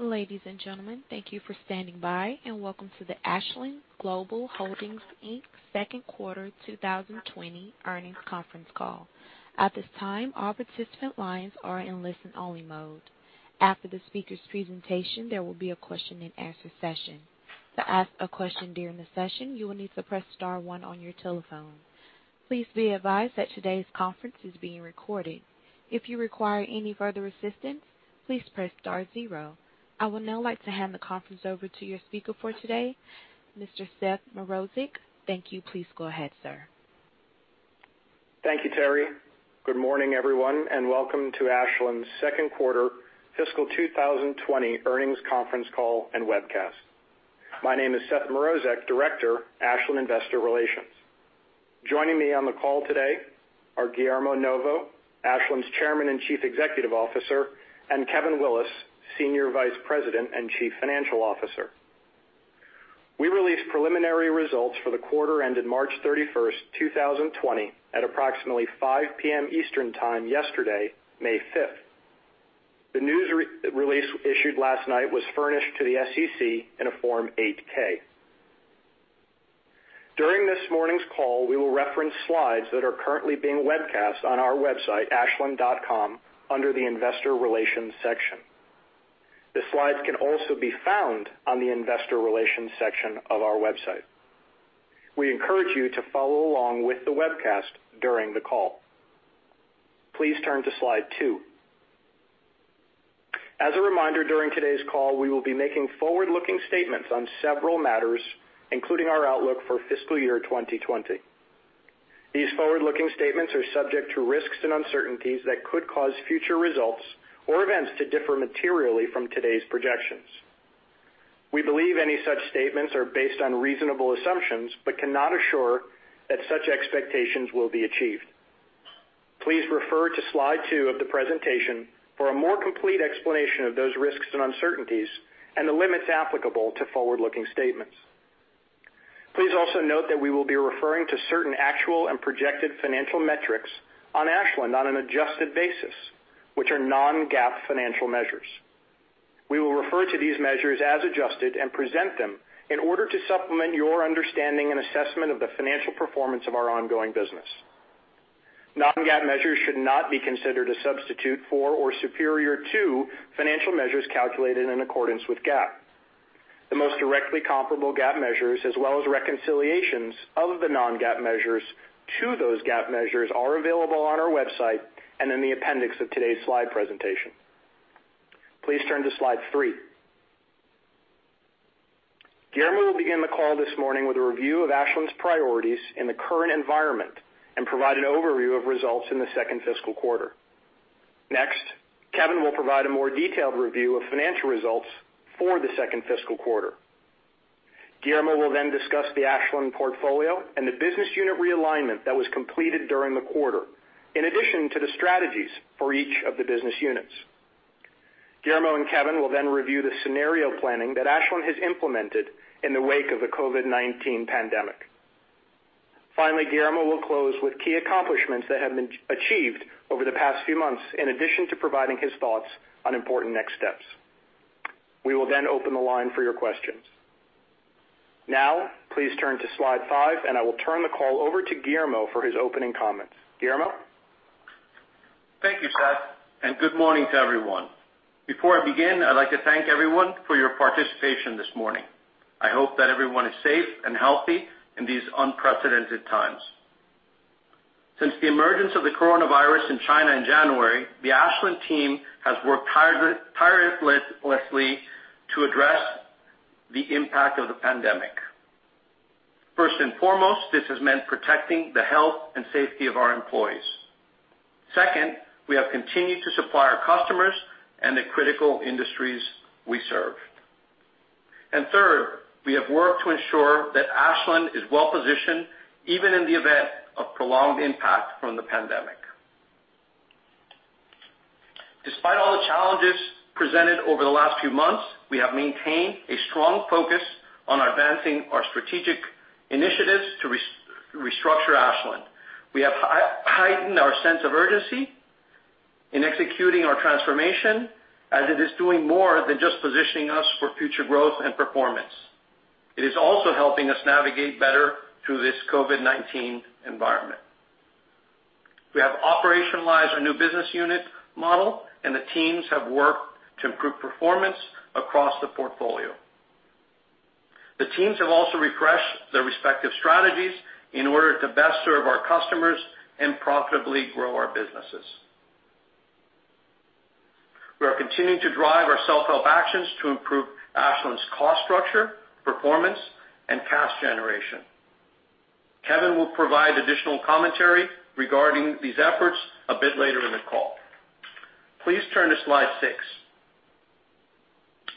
Ladies and gentlemen, thank you for standing by, and welcome to the Ashland Global Holdings Inc. second quarter 2020 earnings conference call. At this time, all participant lines are in listen only mode. After the speaker's presentation, there will be a question and answer session. To ask a question during the session, you will need to press star one on your telephone. Please be advised that today's conference is being recorded. If you require any further assistance, please press star zero. I would now like to hand the conference over to your speaker for today, Mr. Seth Mrozek. Thank you. Please go ahead, sir. Thank you, Terry. Good morning, everyone, and welcome to Ashland's second quarter fiscal 2020 earnings conference call and webcast. My name is Seth Mrozek, Director, Ashland Investor Relations. Joining me on the call today are Guillermo Novo, Ashland's Chairman and Chief Executive Officer, and Kevin Willis, Senior Vice President and Chief Financial Officer. We released preliminary results for the quarter ended March 31st, 2020, at approximately 5:00 P.M. Eastern Time yesterday, May 5th. The news release issued last night was furnished to the SEC in a Form 8-K. During this morning's call, we will reference slides that are currently being webcast on our website, ashland.com, under the investor relations section. The slides can also be found on the investor relations section of our website. We encourage you to follow along with the webcast during the call. Please turn to Slide two. As a reminder, during today's call, we will be making forward-looking statements on several matters, including our outlook for fiscal year 2020. These forward-looking statements are subject to risks and uncertainties that could cause future results or events to differ materially from today's projections. We believe any such statements are based on reasonable assumptions but cannot assure that such expectations will be achieved. Please refer to slide two of the presentation for a more complete explanation of those risks and uncertainties and the limits applicable to forward-looking statements. Please also note that we will be referring to certain actual and projected financial metrics on Ashland on an adjusted basis, which are non-GAAP financial measures. We will refer to these measures as adjusted and present them in order to supplement your understanding and assessment of the financial performance of our ongoing business. Non-GAAP measures should not be considered a substitute for or superior to financial measures calculated in accordance with GAAP. The most directly comparable GAAP measures as well as reconciliations of the non-GAAP measures to those GAAP measures are available on our website and in the appendix of today's slide presentation. Please turn to slide three. Guillermo will begin the call this morning with a review of Ashland's priorities in the current environment and provide an overview of results in the second fiscal quarter. Next, Kevin will provide a more detailed review of financial results for the second fiscal quarter. Guillermo will then discuss the Ashland portfolio and the business unit realignment that was completed during the quarter, in addition to the strategies for each of the business units. Guillermo and Kevin will then review the scenario planning that Ashland has implemented in the wake of the COVID-19 pandemic. Finally, Guillermo will close with key accomplishments that have been achieved over the past few months, in addition to providing his thoughts on important next steps. We will then open the line for your questions. Now, please turn to slide five, and I will turn the call over to Guillermo for his opening comments. Guillermo? Thank you, Seth. Good morning to everyone. Before I begin, I'd like to thank everyone for your participation this morning. I hope that everyone is safe and healthy in these unprecedented times. Since the emergence of the coronavirus in China in January, the Ashland team has worked tirelessly to address the impact of the pandemic. First and foremost, this has meant protecting the health and safety of our employees. Second, we have continued to supply our customers and the critical industries we serve. Third, we have worked to ensure that Ashland is well-positioned even in the event of prolonged impact from the pandemic. Despite all the challenges presented over the last few months, we have maintained a strong focus on advancing our strategic initiatives to restructure Ashland. We have heightened our sense of urgency in executing our transformation, as it is doing more than just positioning us for future growth and performance. It is also helping us navigate better through this COVID-19 environment. We have operationalized our new business unit model. The teams have worked to improve performance across the portfolio. The teams have also refreshed their respective strategies in order to best serve our customers and profitably grow our businesses. We are continuing to drive our self-help actions to improve Ashland's cost structure, performance, and cash generation. Kevin will provide additional commentary regarding these efforts a bit later in the call. Please turn to slide six.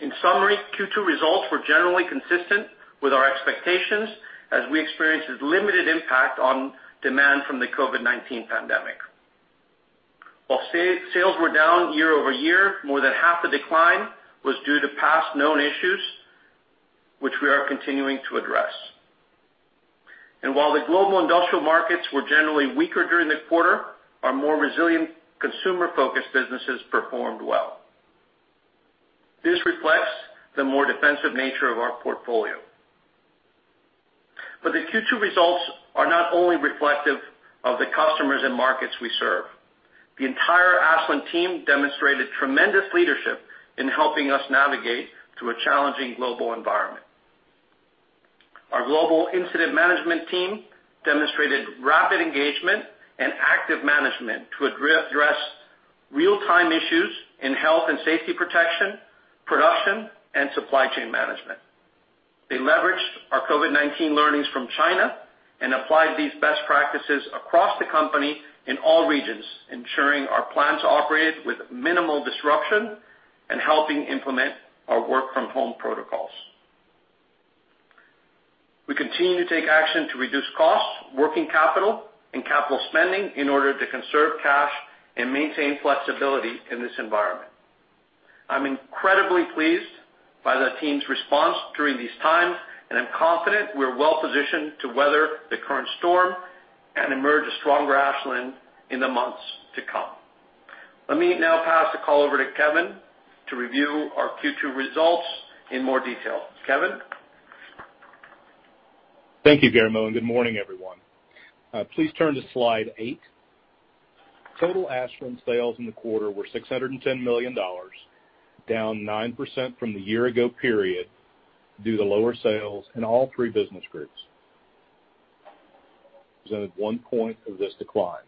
In summary, Q2 results were generally consistent with our expectations as we experienced a limited impact on demand from the COVID-19 pandemic. While sales were down YoY, more than half the decline was due to past known issues, which we are continuing to address. While the global industrial markets were generally weaker during the quarter, our more resilient consumer-focused businesses performed well. This reflects the more defensive nature of our portfolio. The Q2 results are not only reflective of the customers and markets we serve. The entire Ashland team demonstrated tremendous leadership in helping us navigate through a challenging global environment. Our global incident management team demonstrated rapid engagement and active management to address real-time issues in health and safety protection, production, and supply chain management. They leveraged our COVID-19 learnings from China and applied these best practices across the company in all regions, ensuring our plants operate with minimal disruption and helping implement our work-from-home protocols. We continue to take action to reduce costs, working capital, and capital spending in order to conserve cash and maintain flexibility in this environment. I'm incredibly pleased by the team's response during these times, and I'm confident we're well-positioned to weather the current storm and emerge a stronger Ashland in the months to come. Let me now pass the call over to Kevin to review our Q2 results in more detail. Kevin? Thank you, Guillermo, and good morning, everyone. Please turn to slide eight. Total Ashland sales in the quarter were $610 million, down 9% from the year ago period due to lower sales in all three business groups. Presented one point of this decline.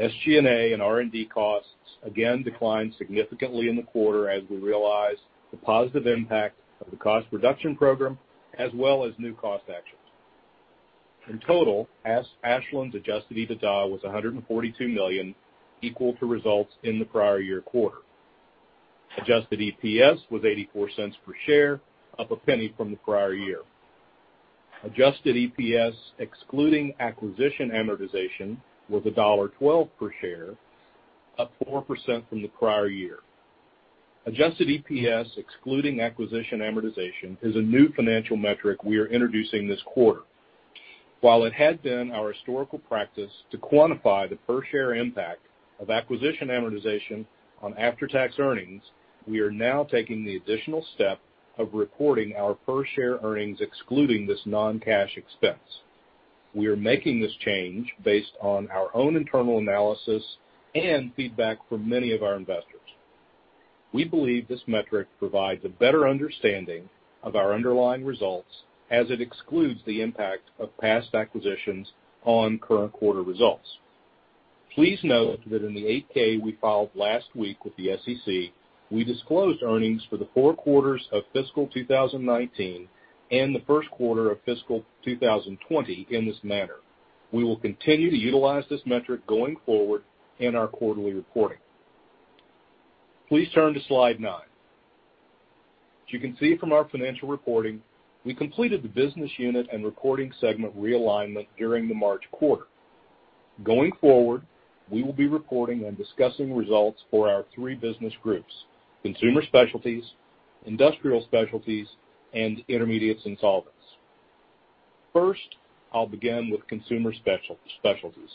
SG&A and R&D costs again declined significantly in the quarter as we realized the positive impact of the cost reduction program, as well as new cost actions. In total, Ashland's Adjusted EBITDA was $142 million, equal to results in the prior year quarter. Adjusted EPS was $0.84 per share, up a penny from the prior year. Adjusted EPS, excluding acquisition amortization, was $1.12 per share, up 4% from the prior year. Adjusted EPS, excluding acquisition amortization, is a new financial metric we are introducing this quarter. While it had been our historical practice to quantify the per-share impact of acquisition amortization on after-tax earnings, we are now taking the additional step of recording our per-share earnings excluding this non-cash expense. We are making this change based on our own internal analysis and feedback from many of our investors. We believe this metric provides a better understanding of our underlying results as it excludes the impact of past acquisitions on current quarter results. Please note that in the 8-K we filed last week with the SEC, we disclosed earnings for the four quarters of fiscal 2019 and the first quarter of fiscal 2020 in this manner. We will continue to utilize this metric going forward in our quarterly reporting. Please turn to slide nine. As you can see from our financial reporting, we completed the business unit and reporting segment realignment during the March quarter. Going forward, we will be reporting and discussing results for our three business groups, Consumer Specialties, Industrial Specialties, and Intermediates and Solvents. First, I'll begin with Consumer Specialties.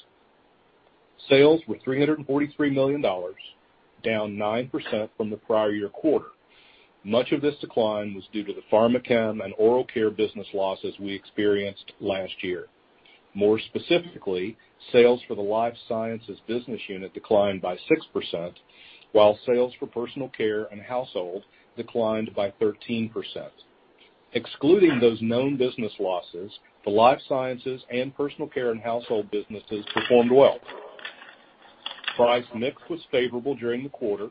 Sales were $343 million, down 9% from the prior year quarter. Much of this decline was due to the Pharmachem and oral care business losses we experienced last year. More specifically, sales for the Life Sciences business unit declined by 6%, while sales for Personal Care & Household declined by 13%. Excluding those known business losses, the Life Sciences and Personal Care & Household businesses performed well. Price mix was favorable during the quarter,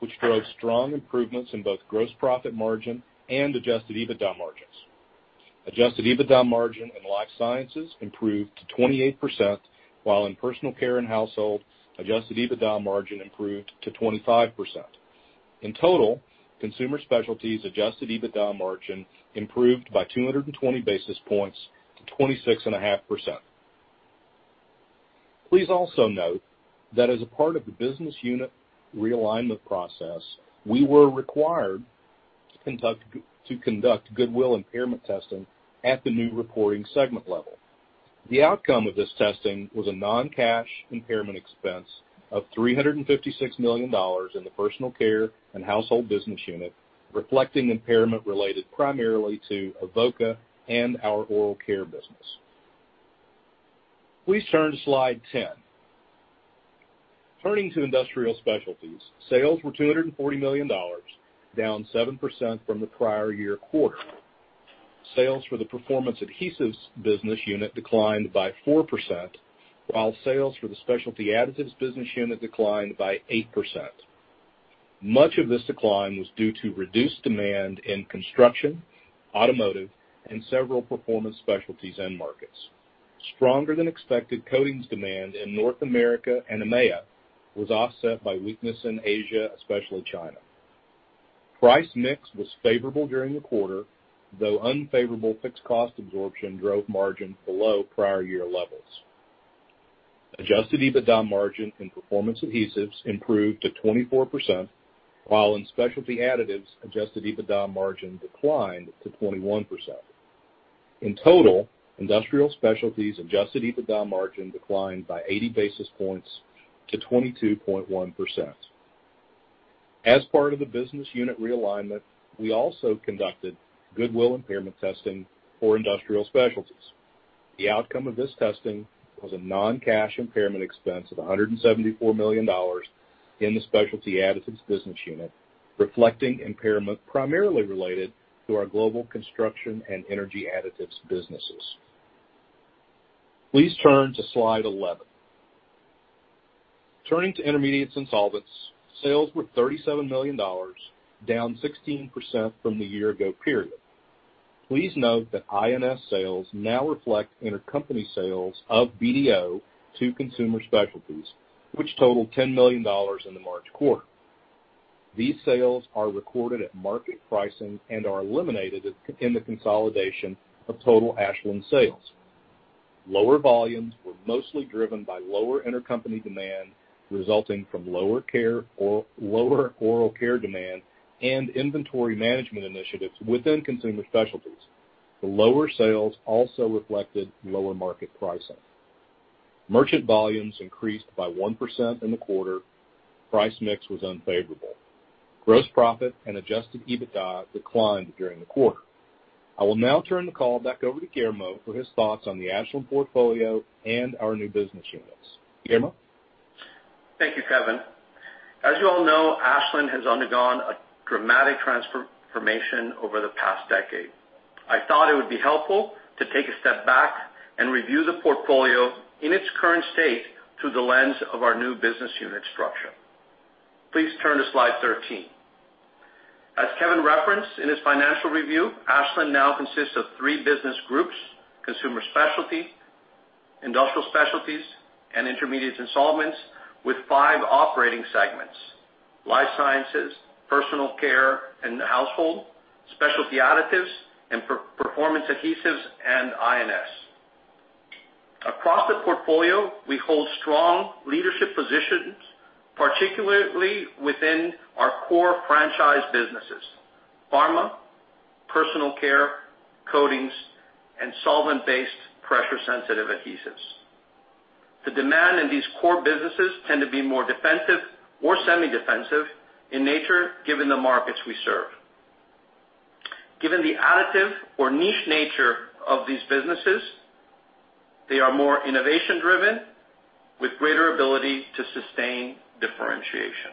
which drove strong improvements in both gross profit margin and Adjusted EBITDA margins. Adjusted EBITDA margin in Life Sciences improved to 28%, while in Personal Care & Household, Adjusted EBITDA margin improved to 25%. In total, Consumer Specialties Adjusted EBITDA margin improved by 220 basis points to 26.5%. Please also note that as a part of the business unit realignment process, we were required to conduct goodwill impairment testing at the new reporting segment level. The outcome of this testing was a non-cash impairment expense of $356 million in the Personal Care & Household business unit, reflecting impairment related primarily to Avoca and our oral care business. Please turn to slide 10. Turning to Industrial Specialties, sales were $240 million, down 7% from the prior year quarter. Sales for the Performance Adhesives business unit declined by 4%, while sales for the Specialty Additives business unit declined by 8%. Much of this decline was due to reduced demand in construction, automotive, and several performance specialties end markets. Stronger than expected coatings demand in North America and EMEA was offset by weakness in Asia, especially China. Price mix was favorable during the quarter, though unfavorable fixed cost absorption drove margin below prior year levels. Adjusted EBITDA margin in Performance Adhesives improved to 24%, while in Specialty Additives, Adjusted EBITDA margin declined to 21%. In total, Industrial Specialties Adjusted EBITDA margin declined by 80 basis points to 22.1%. As part of the business unit realignment, we also conducted goodwill impairment testing for Industrial Specialties. The outcome of this testing was a non-cash impairment expense of $174 million in the Specialty Additives business unit, reflecting impairment primarily related to our global construction and energy additives businesses. Please turn to slide 11. Turning to Intermediates and Solvents, sales were $37 million, down 16% from the year ago period. Please note that I&S sales now reflect intercompany sales of BDO to Consumer Specialties, which totaled $10 million in the March quarter. These sales are recorded at market pricing and are eliminated in the consolidation of total Ashland sales. Lower volumes were mostly driven by lower intercompany demand, resulting from lower oral care demand and inventory management initiatives within Consumer Specialties. The lower sales also reflected lower market pricing. Merchant volumes increased by 1% in the quarter. Price mix was unfavorable. Gross profit and Adjusted EBITDA declined during the quarter. I will now turn the call back over to Guillermo for his thoughts on the Ashland portfolio and our new business units. Guillermo? Thank you, Kevin. As you all know, Ashland has undergone a dramatic transformation over the past decade. I thought it would be helpful to take a step back and review the portfolio in its current state through the lens of our new business unit structure. Please turn to slide 13. As Kevin referenced in his financial review, Ashland now consists of three business groups, Consumer Specialties, Industrial Specialties, and Intermediates and Solvents, with five operating segments, Life Sciences, Personal Care and Household, Specialty Additives, and Performance Adhesives, and I&S. Across the portfolio, we hold strong leadership positions, particularly within our core franchise businesses, Pharma, Personal Care, Coatings, and Solvent-based pressure-sensitive adhesives. The demand in these core businesses tend to be more defensive or semi-defensive in nature given the markets we serve. Given the additive or niche nature of these businesses, they are more innovation-driven with greater ability to sustain differentiation.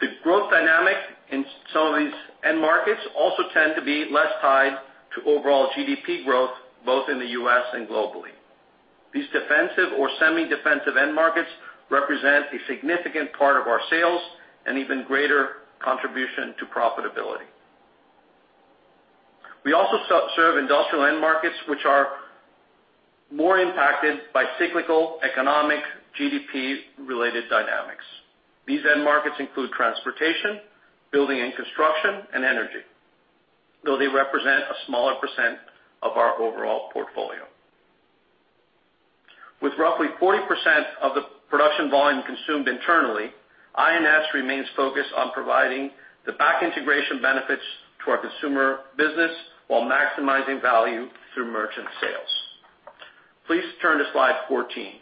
The growth dynamic in some of these end markets also tend to be less tied to overall GDP growth, both in the U.S. and globally. These defensive or semi-defensive end markets represent a significant part of our sales and even greater contribution to profitability. We also serve industrial end markets which are more impacted by cyclical economic GDP-related dynamics. These end markets include transportation, building and construction, and energy, though they represent a smaller percent of our overall portfolio. With roughly 40% of the production volume consumed internally, I&S remains focused on providing the back-integration benefits to our consumer business while maximizing value through merchant sales. Please turn to slide 14.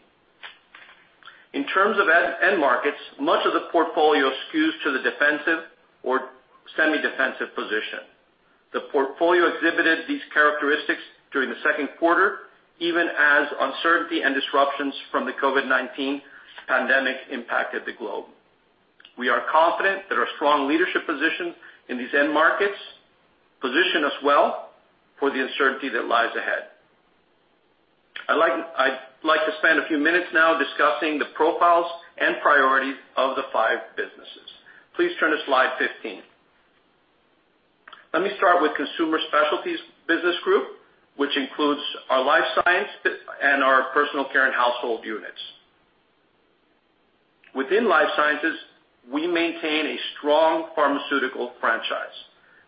In terms of end markets, much of the portfolio skews to the defensive or semi-defensive position. The portfolio exhibited these characteristics during the second quarter, even as uncertainty and disruptions from the COVID-19 pandemic impacted the globe. We are confident that our strong leadership position in these end markets position us well for the uncertainty that lies ahead. I'd like to spend a few minutes now discussing the profiles and priorities of the five businesses. Please turn to slide 15. Let me start with Consumer Specialties business group, which includes our Life Sciences and our Personal Care & Household units. Within Life Sciences, we maintain a strong pharmaceutical franchise.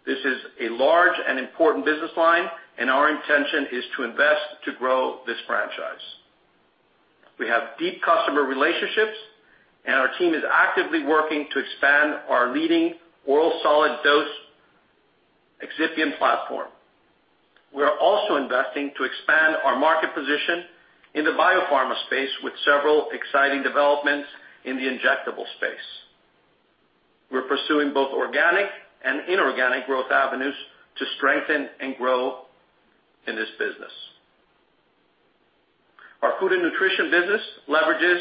This is a large and important business line, and our intention is to invest to grow this franchise. We have deep customer relationships, and our team is actively working to expand our leading oral solid dose excipient platform. We are also investing to expand our market position in the biopharma space with several exciting developments in the injectable space. We're pursuing both organic and inorganic growth avenues to strengthen and grow in this business. Our Food and Nutrition business leverages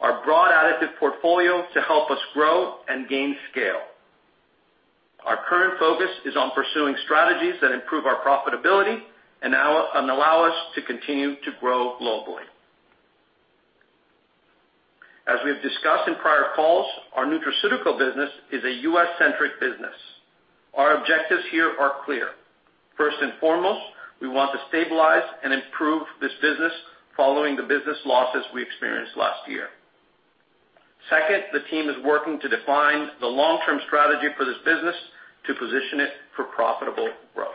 our broad additive portfolio to help us grow and gain scale. Our current focus is on pursuing strategies that improve our profitability and allow us to continue to grow globally. As we've discussed in prior calls, our nutraceutical business is a U.S.-centric business. Our objectives here are clear. First and foremost, we want to stabilize and improve this business following the business losses we experienced last year. Second, the team is working to define the long-term strategy for this business to position it for profitable growth.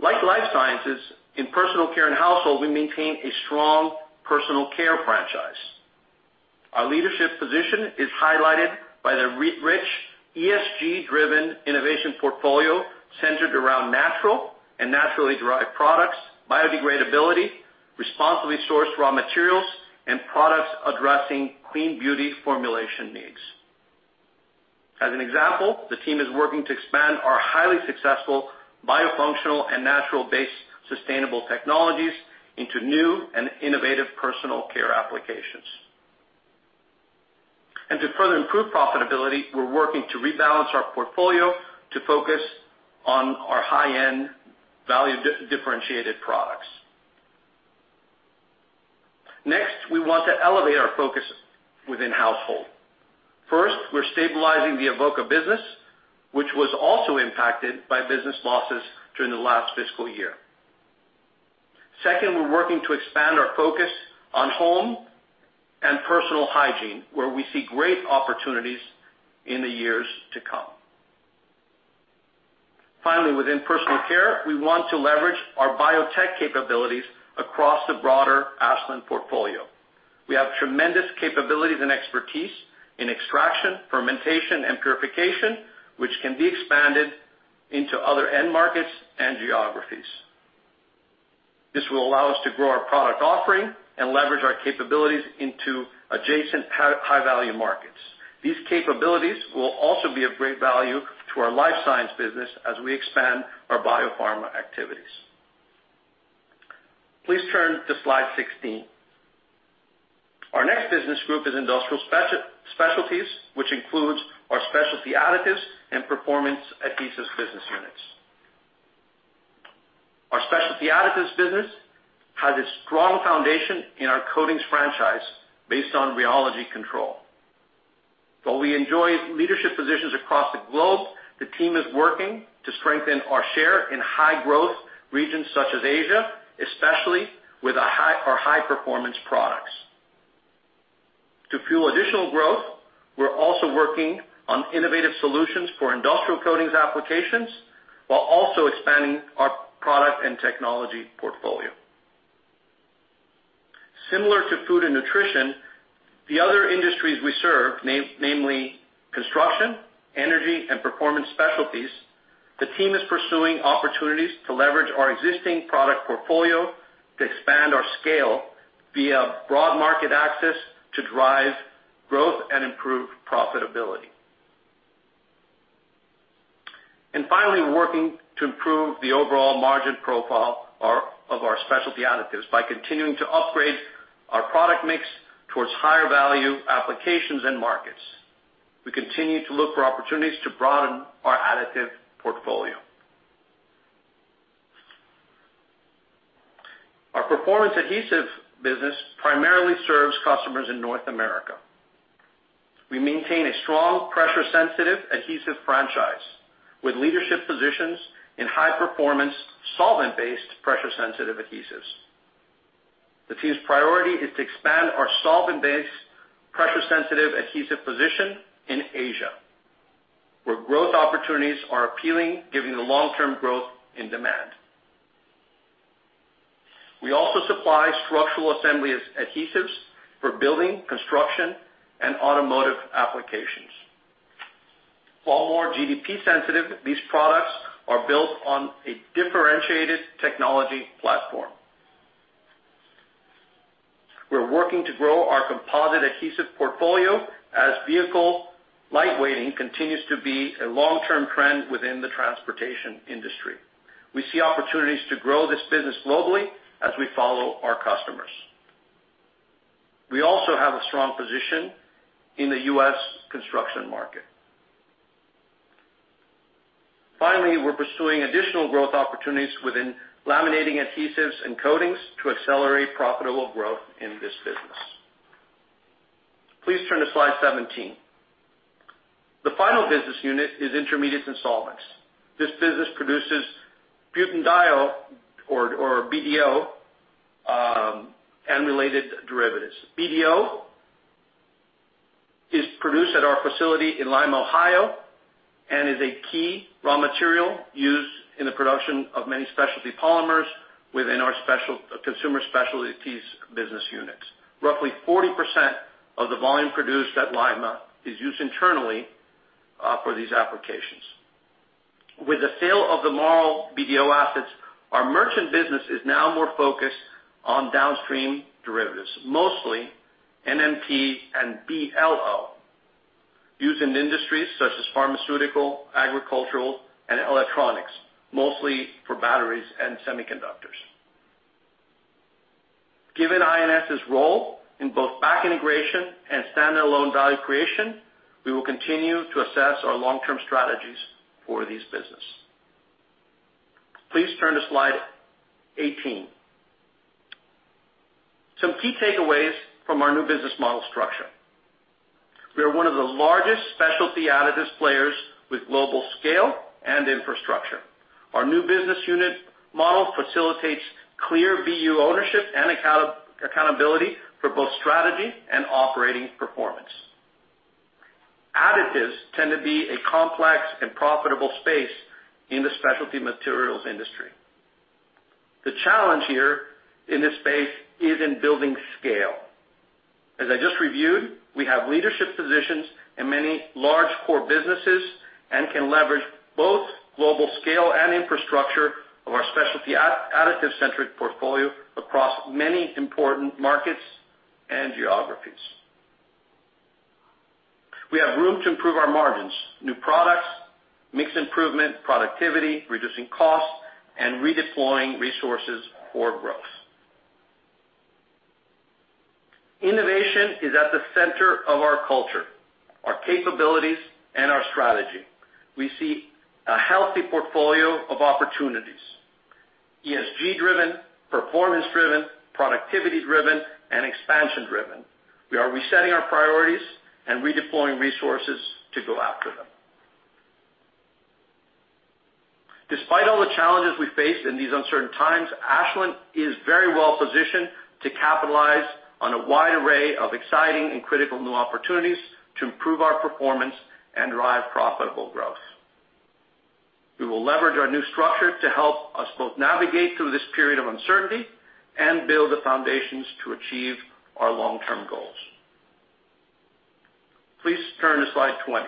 Like Life Sciences, in Personal Care and Household, we maintain a strong personal care franchise. Our leadership position is highlighted by the rich ESG-driven innovation portfolio centered around natural and naturally derived products, biodegradability, responsibly sourced raw materials, and products addressing clean beauty formulation needs. As an example, the team is working to expand our highly successful bio-functional and natural-based sustainable technologies into new and innovative Personal Care applications. To further improve profitability, we're working to rebalance our portfolio to focus on our high-end value differentiated products. Next, we want to elevate our focus within Household. First, we're stabilizing the Avoca business, which was also impacted by business losses during the last fiscal year. Second, we're working to expand our focus on home and Personal Hygiene, where we see great opportunities in the years to come. Finally, within Personal Care, we want to leverage our biotech capabilities across the broader Ashland portfolio. We have tremendous capabilities and expertise in extraction, fermentation, and purification, which can be expanded into other end markets and geographies. This will allow us to grow our product offering and leverage our capabilities into adjacent high-value markets. These capabilities will also be of great value to our Life Sciences business as we expand our biopharma activities. Please turn to slide 16. Our next business group is Industrial Specialties, which includes our Specialty Additives and Performance Adhesives business units. Our Specialty Additives business has a strong foundation in our coatings franchise based on rheology control. While we enjoy leadership positions across the globe, the team is working to strengthen our share in high-growth regions such as Asia, especially with our high-performance products. To fuel additional growth, we're also working on innovative solutions for industrial coatings applications, while also expanding our product and technology portfolio. Similar to food and nutrition, the other industries we serve, namely construction, energy, and performance specialties, the team is pursuing opportunities to leverage our existing product portfolio to expand our scale via broad market access to drive growth and improve profitability. Finally, we're working to improve the overall margin profile of our Specialty Additives by continuing to upgrade our product mix towards higher value applications and markets. We continue to look for opportunities to broaden our additive portfolio. Our Performance Adhesives business primarily serves customers in North America. We maintain a strong pressure-sensitive adhesive franchise with leadership positions in high-performance, solvent-based, pressure-sensitive adhesives. The team's priority is to expand our solvent-based, pressure-sensitive adhesive position in Asia, where growth opportunities are appealing given the long-term growth in demand. We also supply structural assembly adhesives for building, construction, and automotive applications. While more GDP sensitive, these products are built on a differentiated technology platform. We're working to grow our composite adhesive portfolio as vehicle lightweighting continues to be a long-term trend within the transportation industry. We see opportunities to grow this business globally as we follow our customers. We also have a strong position in the U.S. construction market. Finally, we're pursuing additional growth opportunities within laminating adhesives and coatings to accelerate profitable growth in this business. Please turn to slide 17. The final business unit is Intermediates and Solvents. This business produces butanediol, or BDO, and related derivatives. BDO is produced at our facility in Lima, Ohio, and is a key raw material used in the production of many specialty polymers within our Consumer Specialties business units. Roughly 40% of the volume produced at Lima is used internally for these applications. With the sale of the Marl BDO assets, our merchant business is now more focused on downstream derivatives, mostly NMP and BLO, used in industries such as pharmaceutical, agricultural, and electronics, mostly for batteries and semiconductors. Given I&S's role in both back integration and standalone value creation, we will continue to assess our long-term strategies for this business. Please turn to slide 18. Some key takeaways from our new business model structure. We are one of the largest specialty additives players with global scale and infrastructure. Our new business unit model facilitates clear BU ownership and accountability for both strategy and operating performance. Additives tend to be a complex and profitable space in the specialty materials industry. The challenge here in this space is in building scale. As I just reviewed, we have leadership positions in many large core businesses and can leverage both global scale and infrastructure of our specialty additive-centric portfolio across many important markets and geographies. We have room to improve our margins, new products, mix improvement, productivity, reducing costs, and redeploying resources for growth. Innovation is at the center of our culture, our capabilities, and our strategy. We see a healthy portfolio of opportunities, ESG-driven, performance-driven, productivity-driven, and expansion-driven. We are resetting our priorities and redeploying resources to go after them. Despite all the challenges we face in these uncertain times, Ashland is very well-positioned to capitalize on a wide array of exciting and critical new opportunities to improve our performance and drive profitable growth. We will leverage our new structure to help us both navigate through this period of uncertainty and build the foundations to achieve our long-term goals. Please turn to slide 20.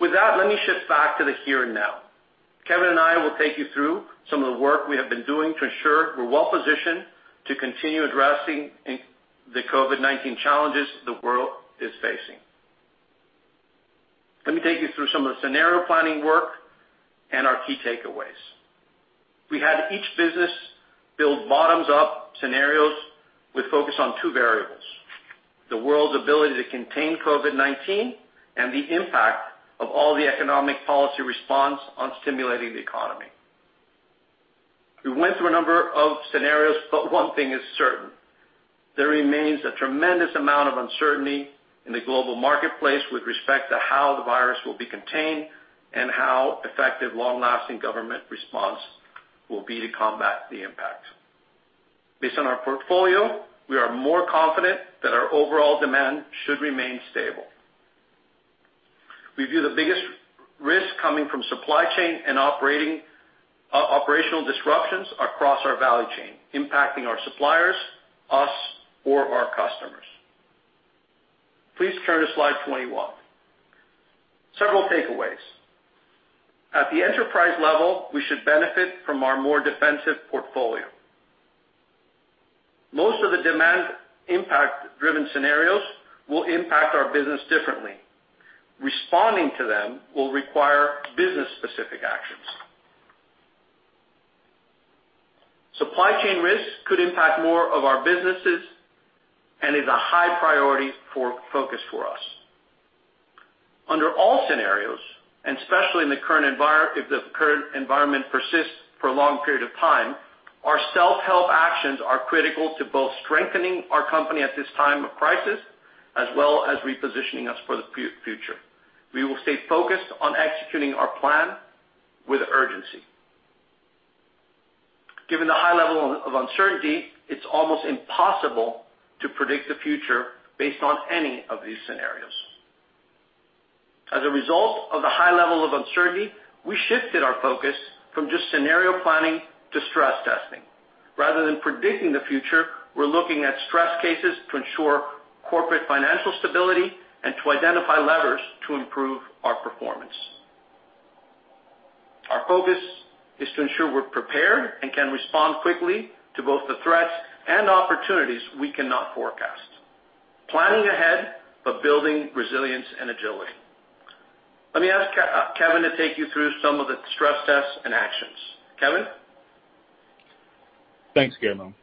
With that, let me shift back to the here and now. Kevin and I will take you through some of the work we have been doing to ensure we're well-positioned to continue addressing the COVID-19 challenges the world is facing. Let me take you through some of the scenario planning work and our key takeaways. We had each business build bottoms-up scenarios with focus on two variables: the world's ability to contain COVID-19 and the impact of all the economic policy response on stimulating the economy. We went through a number of scenarios, but one thing is certain. There remains a tremendous amount of uncertainty in the global marketplace with respect to how the virus will be contained and how effective long-lasting government response will be to combat the impact. Based on our portfolio, we are more confident that our overall demand should remain stable. We view the biggest risk coming from supply chain and operational disruptions across our value chain, impacting our suppliers, us, or our customers. Please turn to slide 21. Several takeaways. At the enterprise level, we should benefit from our more defensive portfolio. Most of the demand impact-driven scenarios will impact our business differently. Responding to them will require business-specific actions. Supply chain risks could impact more of our businesses and is a high priority for focus for us. Under all scenarios, and especially if the current environment persists for a long period of time, our self-help actions are critical to both strengthening our company at this time of crisis, as well as repositioning us for the future. We will stay focused on executing our plan with urgency. Given the high level of uncertainty, it's almost impossible to predict the future based on any of these scenarios. As a result of the high level of uncertainty, we shifted our focus from just scenario planning to stress testing. Rather than predicting the future, we're looking at stress cases to ensure corporate financial stability and to identify levers to improve our performance. Our focus is to ensure we're prepared and can respond quickly to both the threats and opportunities we cannot forecast. Planning ahead, but building resilience and agility. Let me ask Kevin to take you through some of the stress tests and actions. Kevin? Thanks, Guillermo.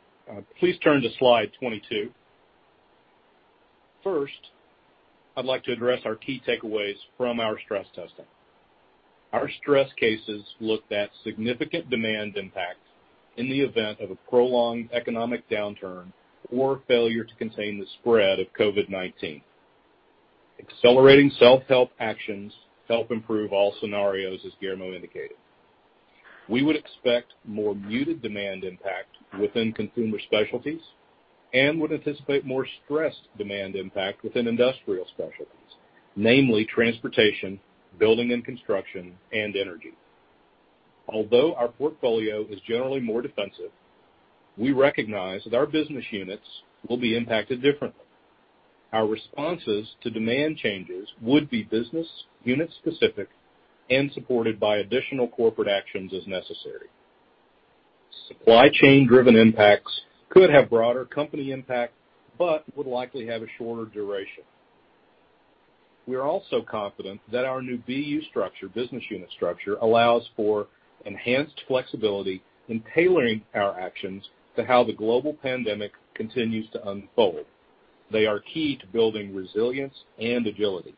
Please turn to slide 22. First, I'd like to address our key takeaways from our stress testing. Our stress cases looked at significant demand impacts in the event of a prolonged economic downturn or failure to contain the spread of COVID-19. Accelerating self-help actions help improve all scenarios, as Guillermo indicated. We would expect more muted demand impact within Consumer Specialties and would anticipate more stressed demand impact within Industrial Specialties, namely transportation, building and construction, and energy. Although our portfolio is generally more defensive, we recognize that our business units will be impacted differently. Our responses to demand changes would be business unit-specific and supported by additional corporate actions as necessary. Supply chain-driven impacts could have broader company impact, but would likely have a shorter duration. We are also confident that our new business unit structure allows for enhanced flexibility in tailoring our actions to how the global pandemic continues to unfold. They are key to building resilience and agility.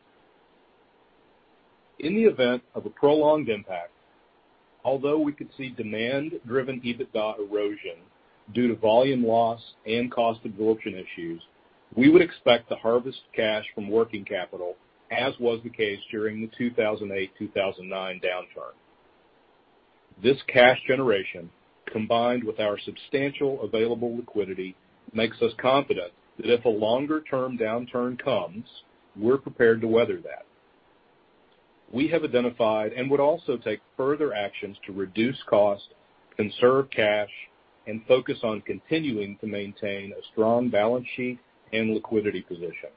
In the event of a prolonged impact, although we could see demand-driven EBITDA erosion due to volume loss and cost absorption issues, we would expect to harvest cash from working capital, as was the case during the 2008, 2009 downturn. This cash generation, combined with our substantial available liquidity, makes us confident that if a longer-term downturn comes, we're prepared to weather that. We have identified and would also take further actions to reduce cost, conserve cash, and focus on continuing to maintain a strong balance sheet and liquidity position.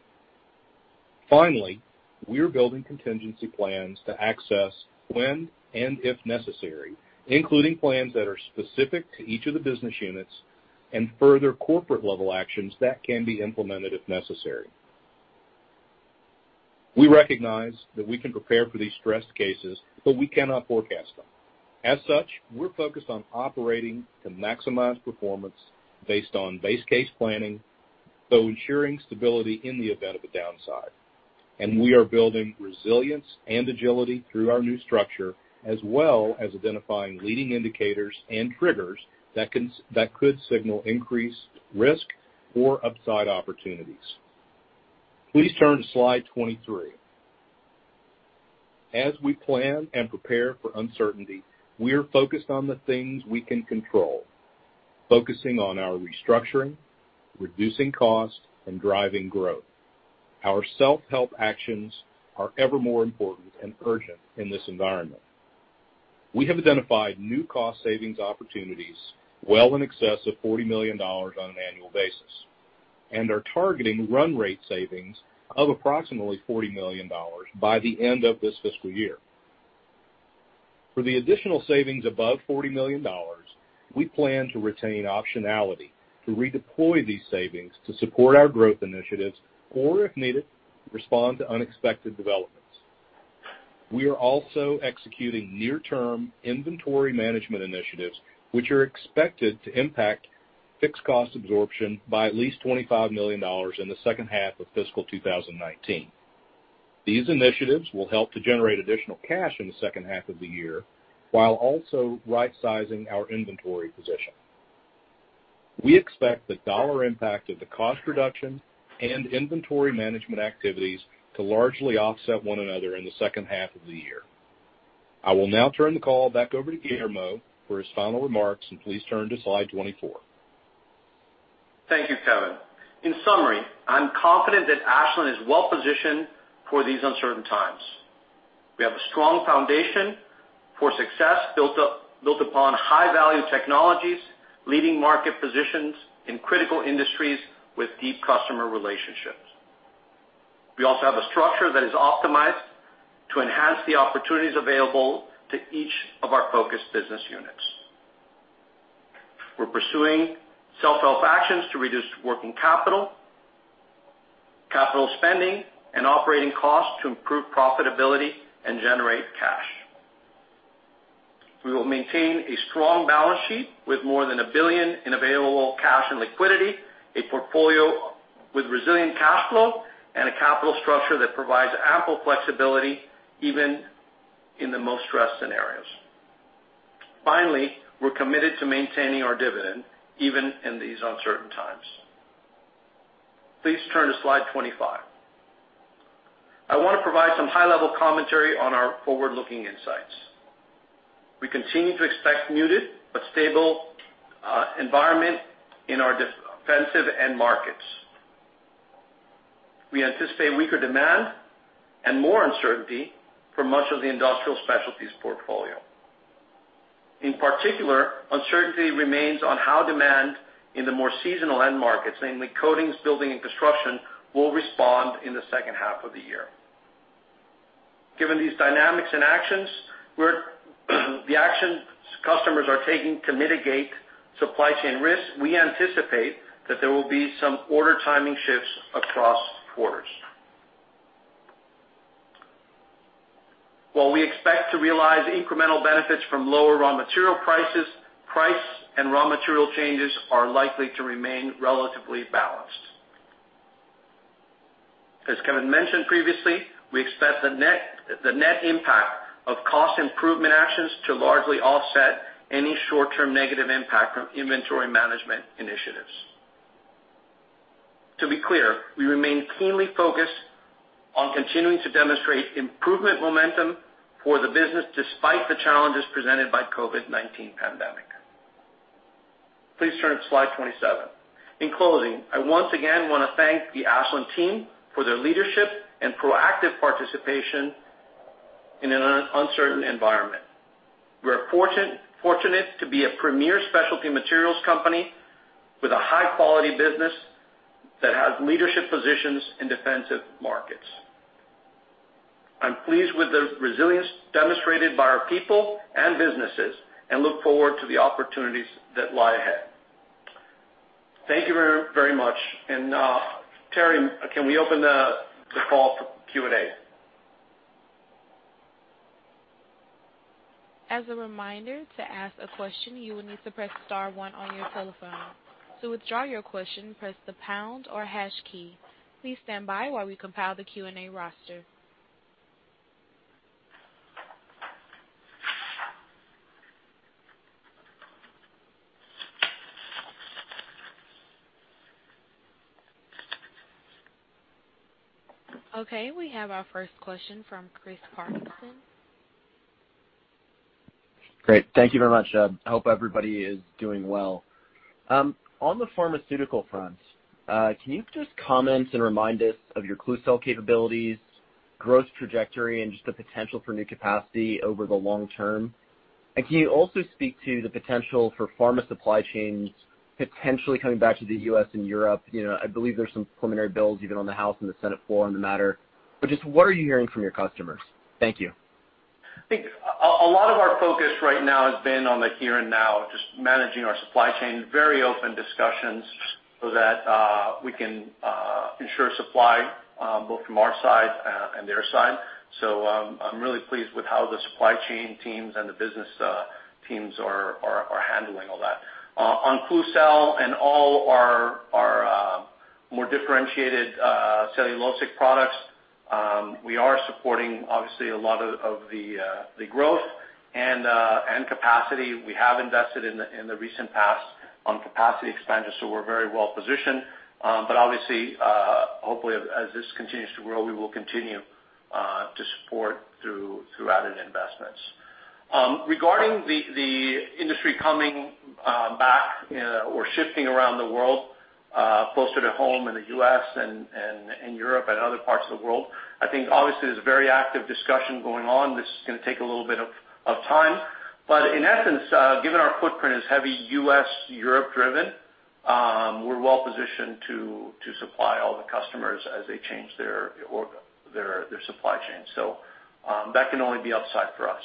We are building contingency plans to access when and if necessary, including plans that are specific to each of the business units and further corporate-level actions that can be implemented if necessary. We recognize that we can prepare for these stress cases, but we cannot forecast them. As such, we're focused on operating to maximize performance based on base case planning, though ensuring stability in the event of a downside. We are building resilience and agility through our new structure, as well as identifying leading indicators and triggers that could signal increased risk or upside opportunities. Please turn to slide 23. As we plan and prepare for uncertainty, we are focused on the things we can control: focusing on our restructuring, reducing cost, and driving growth. Our self-help actions are ever more important and urgent in this environment. We have identified new cost savings opportunities well in excess of $40 million on an annual basis and are targeting run rate savings of approximately $40 million by the end of this fiscal year. For the additional savings above $40 million, we plan to retain optionality to redeploy these savings to support our growth initiatives or, if needed, respond to unexpected developments. We are also executing near-term inventory management initiatives, which are expected to impact fixed cost absorption by at least $25 million in the second half of fiscal 2020. These initiatives will help to generate additional cash in the second half of the year, while also rightsizing our inventory position. We expect the dollar impact of the cost reduction and inventory management activities to largely offset one another in the second half of the year. I will now turn the call back over to Guillermo for his final remarks, and please turn to slide 24. Thank you, Kevin. In summary, I'm confident that Ashland is well-positioned for these uncertain times. We have a strong foundation for success built upon high-value technologies, leading market positions in critical industries with deep customer relationships. We also have a structure that is optimized to enhance the opportunities available to each of our focus business units. We're pursuing self-help actions to reduce working capital spending, and operating costs to improve profitability and generate cash. We will maintain a strong balance sheet with more than $1 billion in available cash and liquidity, a portfolio with resilient cash flow, and a capital structure that provides ample flexibility even in the most stressed scenarios. We're committed to maintaining our dividend, even in these uncertain times. Please turn to slide 25. I want to provide some high-level commentary on our forward-looking insights. We continue to expect muted but stable environment in our defensive end markets. We anticipate weaker demand and more uncertainty for much of the Industrial Specialties portfolio. In particular, uncertainty remains on how demand in the more seasonal end markets, namely coatings, building, and construction, will respond in the second half of the year. Given these dynamics and actions customers are taking to mitigate supply chain risks, we anticipate that there will be some order timing shifts across quarters. While we expect to realize incremental benefits from lower raw material prices, price and raw material changes are likely to remain relatively balanced. As Kevin mentioned previously, we expect the net impact of cost improvement actions to largely offset any short-term negative impact from inventory management initiatives. To be clear, we remain keenly focused on continuing to demonstrate improvement momentum for the business despite the challenges presented by COVID-19 pandemic. Please turn to slide 27. In closing, I once again want to thank the Ashland team for their leadership and proactive participation in an uncertain environment. We are fortunate to be a premier specialty materials company with a high-quality business that has leadership positions in defensive markets. I'm pleased with the resilience demonstrated by our people and businesses and look forward to the opportunities that lie ahead. Thank you very much. Terry, can we open the call for Q&A? As a reminder, to ask a question, you will need to press star one on your telephone. To withdraw your question, press the pound or hash key. Please stand by while we compile the Q&A roster. Okay, we have our first question from Chris Parkinson. Great. Thank you very much. I hope everybody is doing well. On the pharmaceutical front, can you just comment and remind us of your Klucel capabilities, growth trajectory, and just the potential for new capacity over the long term? Can you also speak to the potential for pharma supply chains potentially coming back to the U.S. and Europe? I believe there's some preliminary bills even on the House and the Senate floor on the matter. Just what are you hearing from your customers? Thank you. I think a lot of our focus right now has been on the here and now, just managing our supply chain, very open discussions so that we can ensure supply, both from our side and their side. I'm really pleased with how the supply chain teams and the business teams are handling all that. On Klucel and all our more differentiated cellulosic products, we are supporting, obviously, a lot of the growth and capacity. We have invested in the recent past on capacity expansion, so we're very well-positioned. Obviously, hopefully as this continues to grow, we will continue to support through added investments. Regarding the industry coming back or shifting around the world closer to home in the U.S. and in Europe and other parts of the world, I think obviously there's very active discussion going on. This is going to take a little bit of time. In essence, given our footprint is heavy U.S., Europe driven, we're well positioned to supply all the customers as they change their supply chain. That can only be upside for us.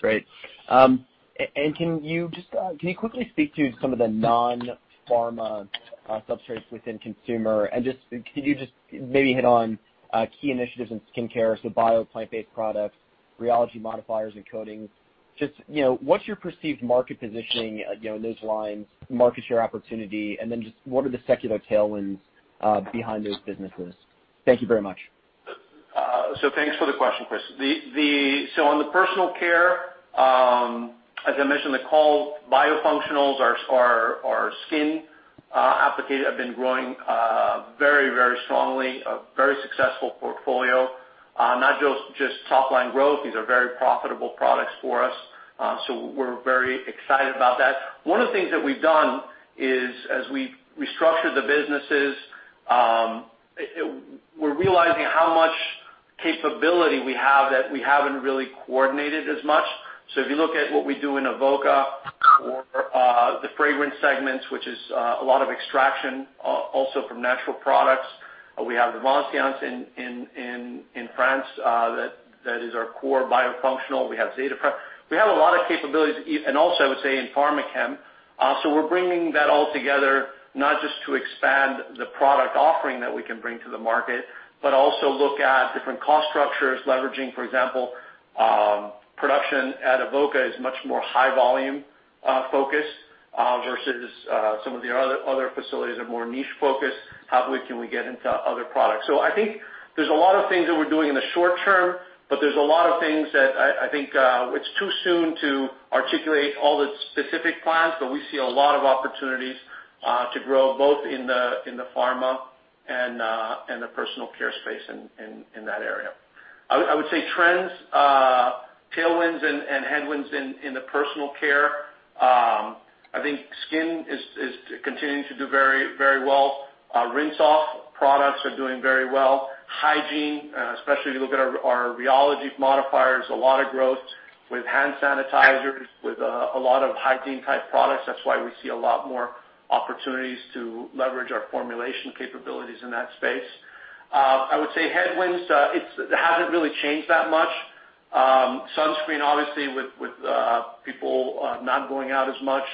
Great. Can you quickly speak to some of the non-pharma substrates within Consumer, and can you just maybe hit on key initiatives in skincare, so bio plant-based products, rheology modifiers, and coatings? Just what's your perceived market positioning in those lines, market share opportunity, and then just what are the secular tailwinds behind those businesses? Thank you very much. Thanks for the question, Chris. On the Personal Care, as I mentioned in the call, biofunctionals, our skin applicators have been growing very strongly, a very successful portfolio. Not just top-line growth. These are very profitable products for us. We're very excited about that. One of the things that we've done is as we restructure the businesses, we're realizing how much capability we have that we haven't really coordinated as much. If you look at what we do in Avoca or the fragrance segments, which is a lot of extraction also from natural products, we have Vincience in France. That is our core biofunctional. We have Zeta Fraction. We have a lot of capabilities. And also, I would say in Pharmachem. So we're bringing that all together, not just to expand the product offering that we can bring to the market, but also look at different cost structures, leveraging, for example, production at Avoca is much more high volume focused versus some of the other facilities that are more niche focused. How can we get into other products? So I think there's a lot of things that we're doing in the short term, but there's a lot of things that I think it's too soon to articulate all the specific plans. But we see a lot of opportunities to grow both in the Pharma and the Personal Care space in that area. I would say trends, tailwinds, and headwinds in the Personal Care. I think skin is continuing to do very well. Rinse off products are doing very well. Hygiene, especially if you look at our rheology modifiers, a lot of growth with hand sanitizers, with a lot of hygiene-type products. That's why we see a lot more opportunities to leverage our formulation capabilities in that space. I would say headwinds, it hasn't really changed that much. Sunscreen, obviously, with people not going out as much,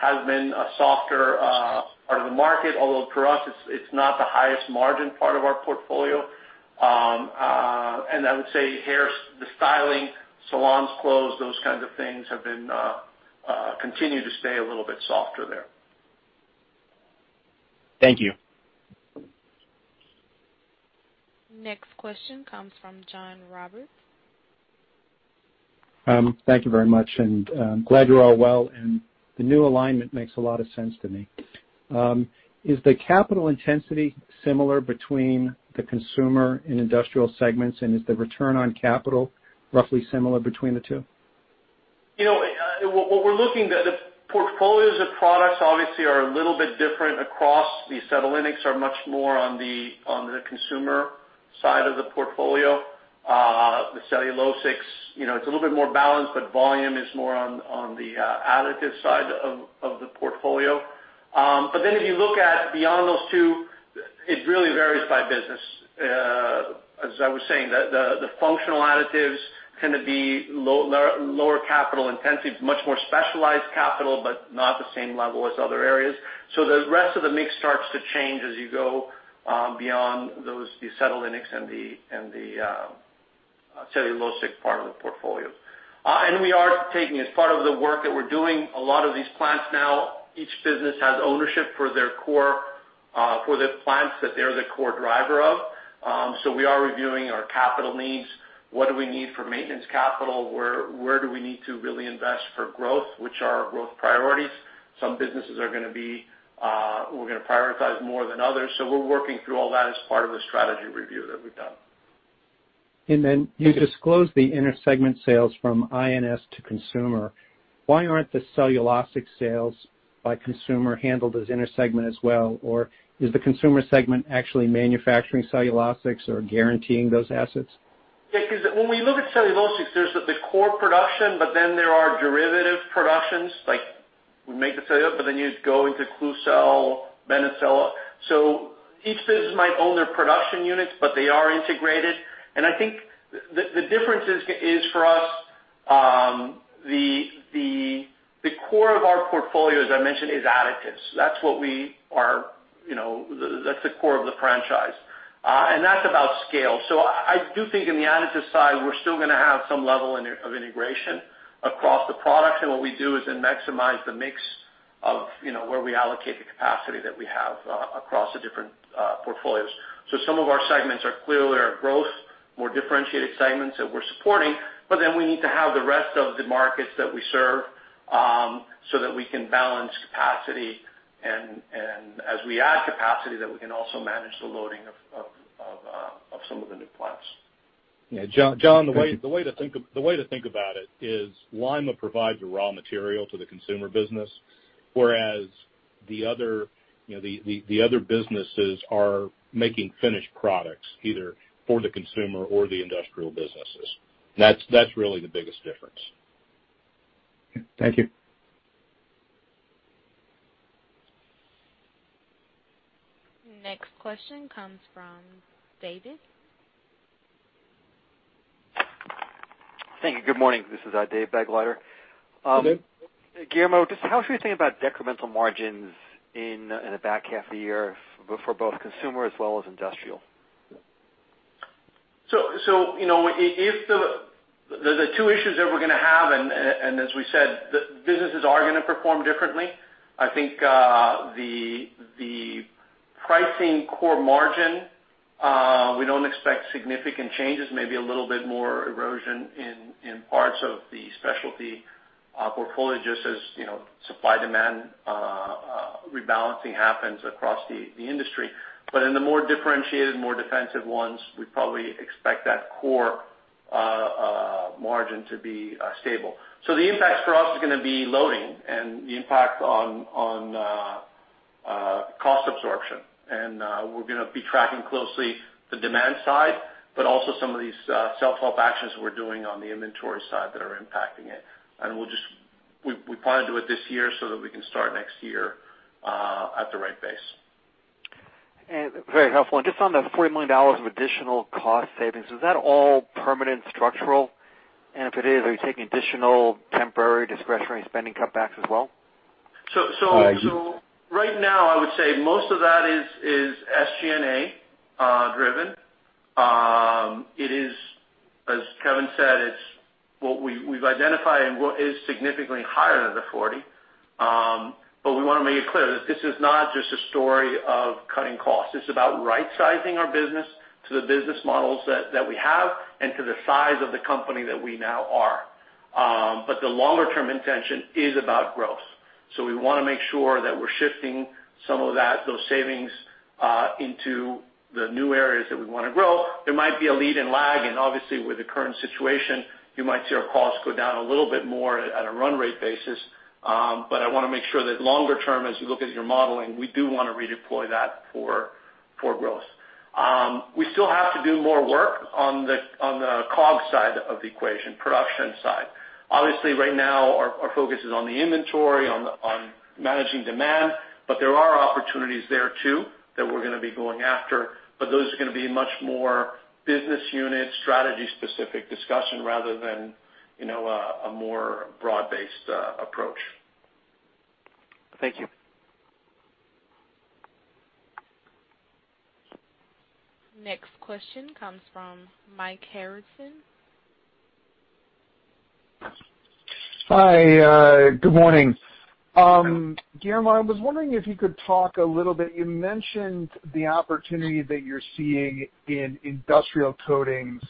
has been a softer part of the market, although for us, it's not the highest margin part of our portfolio. And I would say hair styling salons closed, those kinds of things have continued to stay a little bit softer there. Thank you. Next question comes from John Roberts. Thank you very much, and I'm glad you're all well. The new alignment makes a lot of sense to me. Is the capital intensity similar between the consumer and industrial segments, and is the return on capital roughly similar between the two? What we're looking at, the portfolios of products obviously are a little bit different across the consumer. The ceramides are much more on the consumer side of the portfolio. The cellulosics, you know, it's a little bit more balanced, but volume is more on the additive side of the portfolio. But then if you look at beyond those two, it really varies by business. As I was saying, the functional additives tend to be lower capital intensive, much more specialized capital, but not the same level as other areas. So the rest of the mix starts to change as you go beyond those, the cellulosics and the acetylenics part of the portfolio. We are taking, as part of the work that we're doing, a lot of these plants now, each business has ownership for the plants that they're the core driver of. We are reviewing our capital needs. What do we need for maintenance capital? Where do we need to really invest for growth? Which are our growth priorities? Some businesses we're going to prioritize more than others. We're working through all that as part of the strategy review that we've done. You disclose the inter-segment sales from I&S to Consumer. Why aren't the cellulosics sales by Consumer handled as inter-segment as well? Is the Consumer segment actually manufacturing cellulosics or guaranteeing those assets? Yeah, because when we look at cellulosics, there's the core production, but then there are derivative productions, like we make the cellulose, but then you go into Klucel, Benecel. Each business might own their production units, but they are integrated. I think the difference is for us, the core of our portfolio, as I mentioned, is additives. That's the core of the franchise. That's about scale. I do think in the additives side, we're still gonna have some level of integration across the products. What we do is then maximize the mix of where we allocate the capacity that we have across the different portfolios. Some of our segments are clearly our growth, more differentiated segments that we're supporting, but then we need to have the rest of the markets that we serve, so that we can balance capacity, and as we add capacity, that we can also manage the loading of some of the new plants. Yeah. John, the way to think about it is Lima provides the raw material to the Consumer Specialties, whereas the other businesses are making finished products, either for the consumer or the Industrial Specialties. That's really the biggest difference. Okay. Thank you. Next question come from David. Thank you. Good morning. This is Dave Begleiter. Good day. Guillermo, just how should we think about decremental margins in the back half of the year for both Consumer as well as Industrial? There's two issues that we're gonna have, and as we said, the businesses are gonna perform differently. I think the pricing core margin, we don't expect significant changes, maybe a little bit more erosion in parts of the specialty portfolio, just as supply-demand rebalancing happens across the industry. In the more differentiated, more defensive ones, we probably expect that core margin to be stable. The impact for us is gonna be loading and the impact on cost absorption. We're gonna be tracking closely the demand side, but also some of these self-help actions we're doing on the inventory side that are impacting it. We plan to do it this year so that we can start next year at the right base. Very helpful. Just on the $40 million of additional cost savings, is that all permanent structural? If it is, are you taking additional temporary discretionary spending cutbacks as well? Right now, I would say most of that is SG&A driven. As Kevin said, it's what we've identified and what is significantly higher than the $40 million. We want to make it clear, this is not just a story of cutting costs. It's about right-sizing our business to the business models that we have and to the size of the company that we now are. The longer-term intention is about growth. We want to make sure that we're shifting some of those savings into the new areas that we want to grow. There might be a lead and lag, and obviously with the current situation, you might see our costs go down a little bit more at a run rate basis. I want to make sure that longer term, as you look at your modeling, we do want to redeploy that for growth. We still have to do more work on the COGS side of the equation, production side. Obviously, right now our focus is on the inventory, on managing demand, there are opportunities there too that we're going to be going after. Those are going to be much more business unit strategy-specific discussion rather than a more broad-based approach. Thank you. Next question comes from Mike Harrison. Hi. Good morning. Guillermo, I was wondering if you could talk a little bit, you mentioned the opportunity that you're seeing in industrial coatings.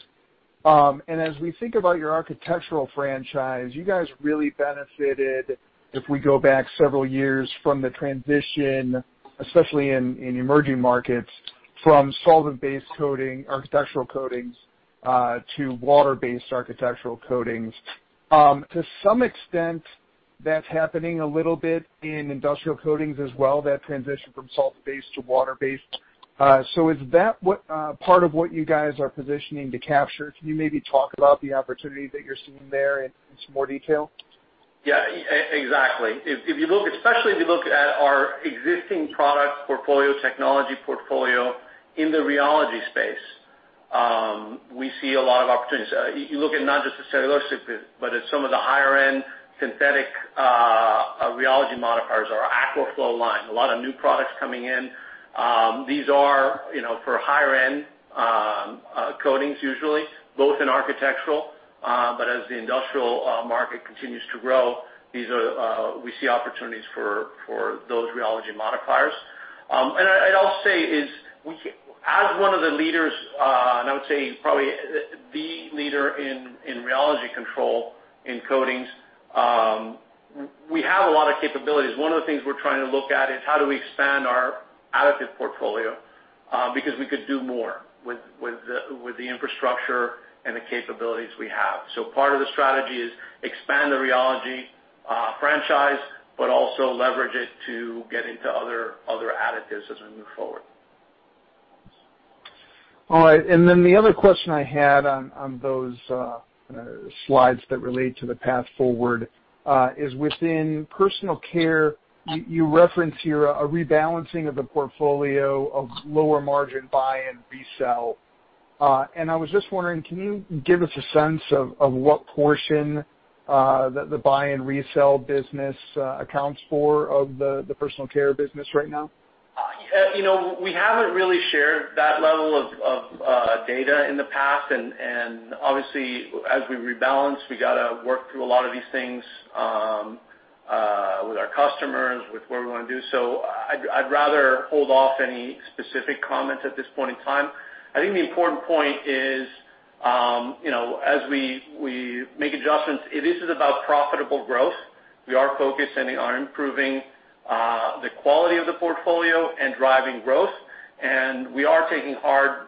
As we think about your architectural franchise, you guys really benefited, if we go back several years from the transition, especially in emerging markets, from solvent-based architectural coatings, to water-based architectural coatings. To some extent, that's happening a little bit in industrial coatings as well, that transition from solvent-based to water-based. Is that part of what you guys are positioning to capture? Can you maybe talk about the opportunity that you're seeing there in some more detail? Yeah, exactly. Especially if you look at our existing product portfolio, technology portfolio in the rheology space, we see a lot of opportunities. You look at not just the cellulosics, but at some of the higher-end synthetic. Our rheology modifiers, our Aqualon line, a lot of new products coming in. These are for higher-end coatings usually, both in architectural. As the industrial market continues to grow, we see opportunities for those rheology modifiers. I'd also say is, as one of the leaders, and I would say probably the leader in rheology control in coatings, we have a lot of capabilities. One of the things we're trying to look at is how do we expand our additive portfolio, because we could do more with the infrastructure and the capabilities we have. Part of the strategy is expand the rheology franchise, but also leverage it to get into other additives as we move forward. All right. The other question I had on those slides that relate to the path forward, is within Personal Care, you reference here a rebalancing of the portfolio of lower margin buy and resell. I was just wondering, can you give us a sense of what portion that the buy and resell business accounts for of the Personal Care business right now? We haven't really shared that level of data in the past, and obviously, as we rebalance, we got to work through a lot of these things with our customers, with what we want to do. I'd rather hold off any specific comments at this point in time. I think the important point is, as we make adjustments, it is about profitable growth. We are focusing on improving the quality of the portfolio and driving growth, and we are taking hard,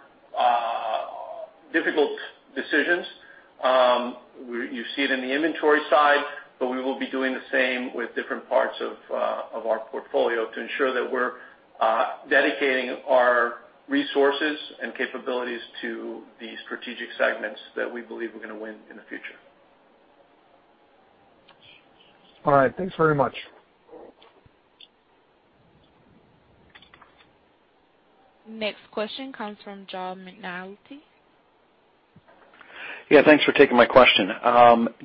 difficult decisions. You see it in the inventory side, but we will be doing the same with different parts of our portfolio to ensure that we're dedicating our resources and capabilities to the strategic segments that we believe we're going to win in the future. All right. Thanks very much. Next question comes from John McNulty. Yeah. Thanks for taking my question.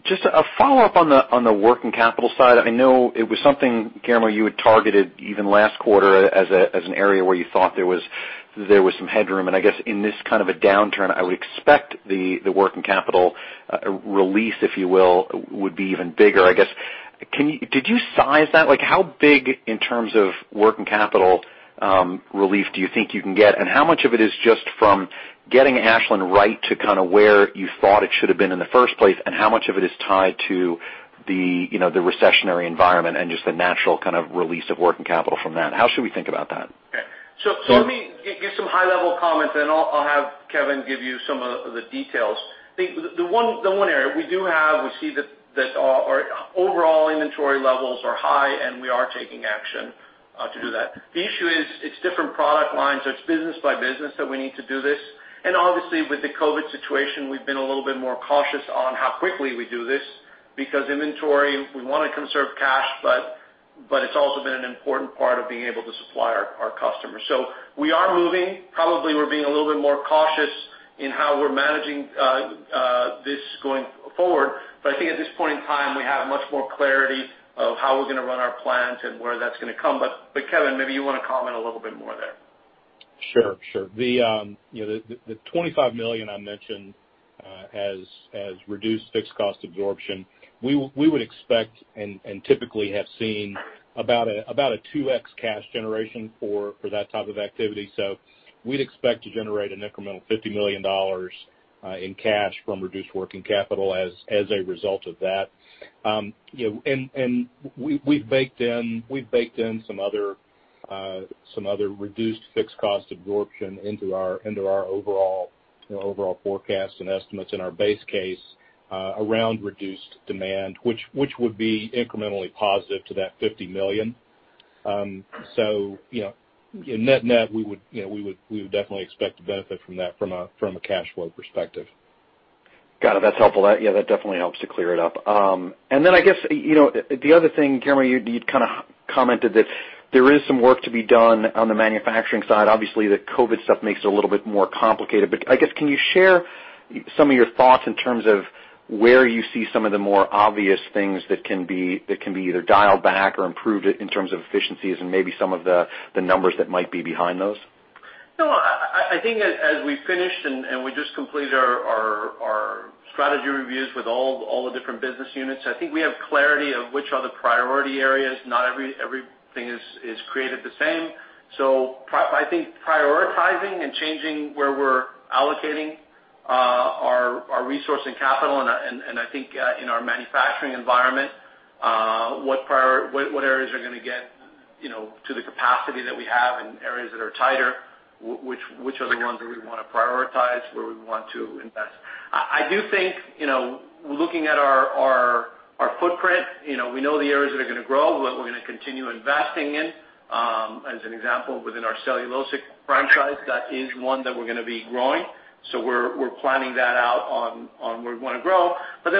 Just a follow-up on the working capital side. I know it was something, Guillermo, you had targeted even last quarter as an area where you thought there was some headroom. I guess in this kind of a downturn, I would expect the working capital release, if you will, would be even bigger, I guess. Did you size that? How big in terms of working capital relief do you think you can get, and how much of it is just from getting Ashland right to where you thought it should have been in the first place, and how much of it is tied to the recessionary environment and just the natural release of working capital from that? How should we think about that? Let me give some high-level comments, and I'll have Kevin give you some of the details. The one area we do have, we see that our overall inventory levels are high, and we are taking action to do that. The issue is, it's different product lines, so it's business by business that we need to do this. Obviously, with the COVID situation, we've been a little bit more cautious on how quickly we do this, because inventory, we want to conserve cash, but it's also been an important part of being able to supply our customers. We are moving. Probably we're being a little bit more cautious in how we're managing this going forward. I think at this point in time, we have much more clarity of how we're going to run our plant and where that's going to come. Kevin, maybe you want to comment a little bit more there. Sure. The $25 million I mentioned has reduced fixed cost absorption. We would expect, and typically have seen about a 2x cash generation for that type of activity. We'd expect to generate an incremental $50 million in cash from reduced working capital as a result of that. We've baked in some other reduced fixed cost absorption into our overall forecast and estimates in our base case around reduced demand, which would be incrementally positive to that $50 million. Net-net, we would definitely expect to benefit from that from a cash flow perspective. Got it. That's helpful. Yeah, that definitely helps to clear it up. Then I guess, the other thing, Guillermo, you'd commented that there is some work to be done on the manufacturing side. Obviously, the COVID stuff makes it a little bit more complicated. I guess, can you share some of your thoughts in terms of where you see some of the more obvious things that can be either dialed back or improved in terms of efficiencies and maybe some of the numbers that might be behind those? I think as we finished and we just completed our strategy reviews with all the different business units, I think we have clarity of which are the priority areas. Not everything is created the same. I think prioritizing and changing where we're allocating our resource and capital, and I think in our manufacturing environment, what areas are going to get to the capacity that we have and areas that are tighter, which are the ones where we want to prioritize, where we want to invest. I do think, looking at our footprint, we know the areas that are going to grow, what we're going to continue investing in. As an example, within our cellulosics franchise, that is one that we're going to be growing. We're planning that out on where we want to grow.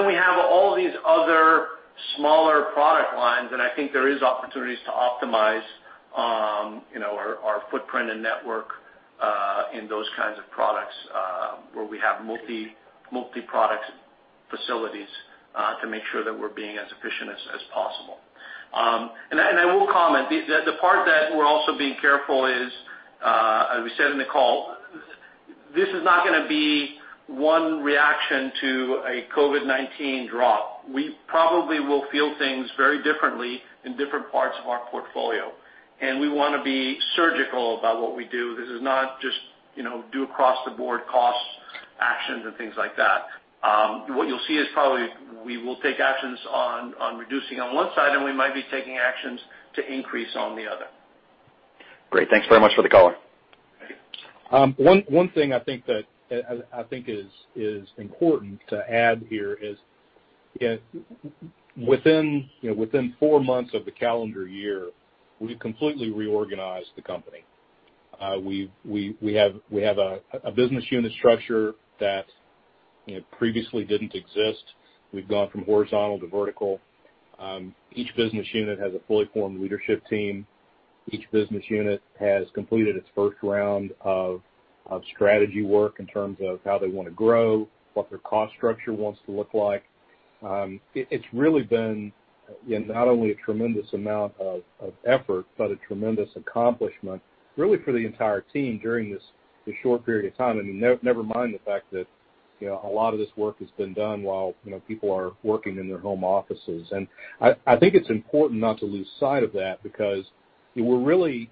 We have all these other smaller product lines, and I think there is opportunities to optimize our footprint and network in those kinds of products where we have multi-product facilities to make sure that we're being as efficient as possible. I will comment, the part that we're also being careful is, as we said in the call, this is not going to be one reaction to a COVID-19 drop. We probably will feel things very differently in different parts of our portfolio, and we want to be surgical about what we do. This is not just do across the board cost actions and things like that. What you'll see is probably we will take actions on reducing on one side, and we might be taking actions to increase on the other. Great. Thanks very much for the color. One thing I think is important to add here is within four months of the calendar year, we've completely reorganized the company. We have a business unit structure that previously didn't exist. We've gone from horizontal to vertical. Each business unit has a fully formed leadership team. Each business unit has completed its first round of strategy work in terms of how they want to grow, what their cost structure wants to look like. It's really been not only a tremendous amount of effort, but a tremendous accomplishment really for the entire team during this short period of time, never mind the fact that a lot of this work has been done while people are working in their home offices. I think it's important not to lose sight of that because we're really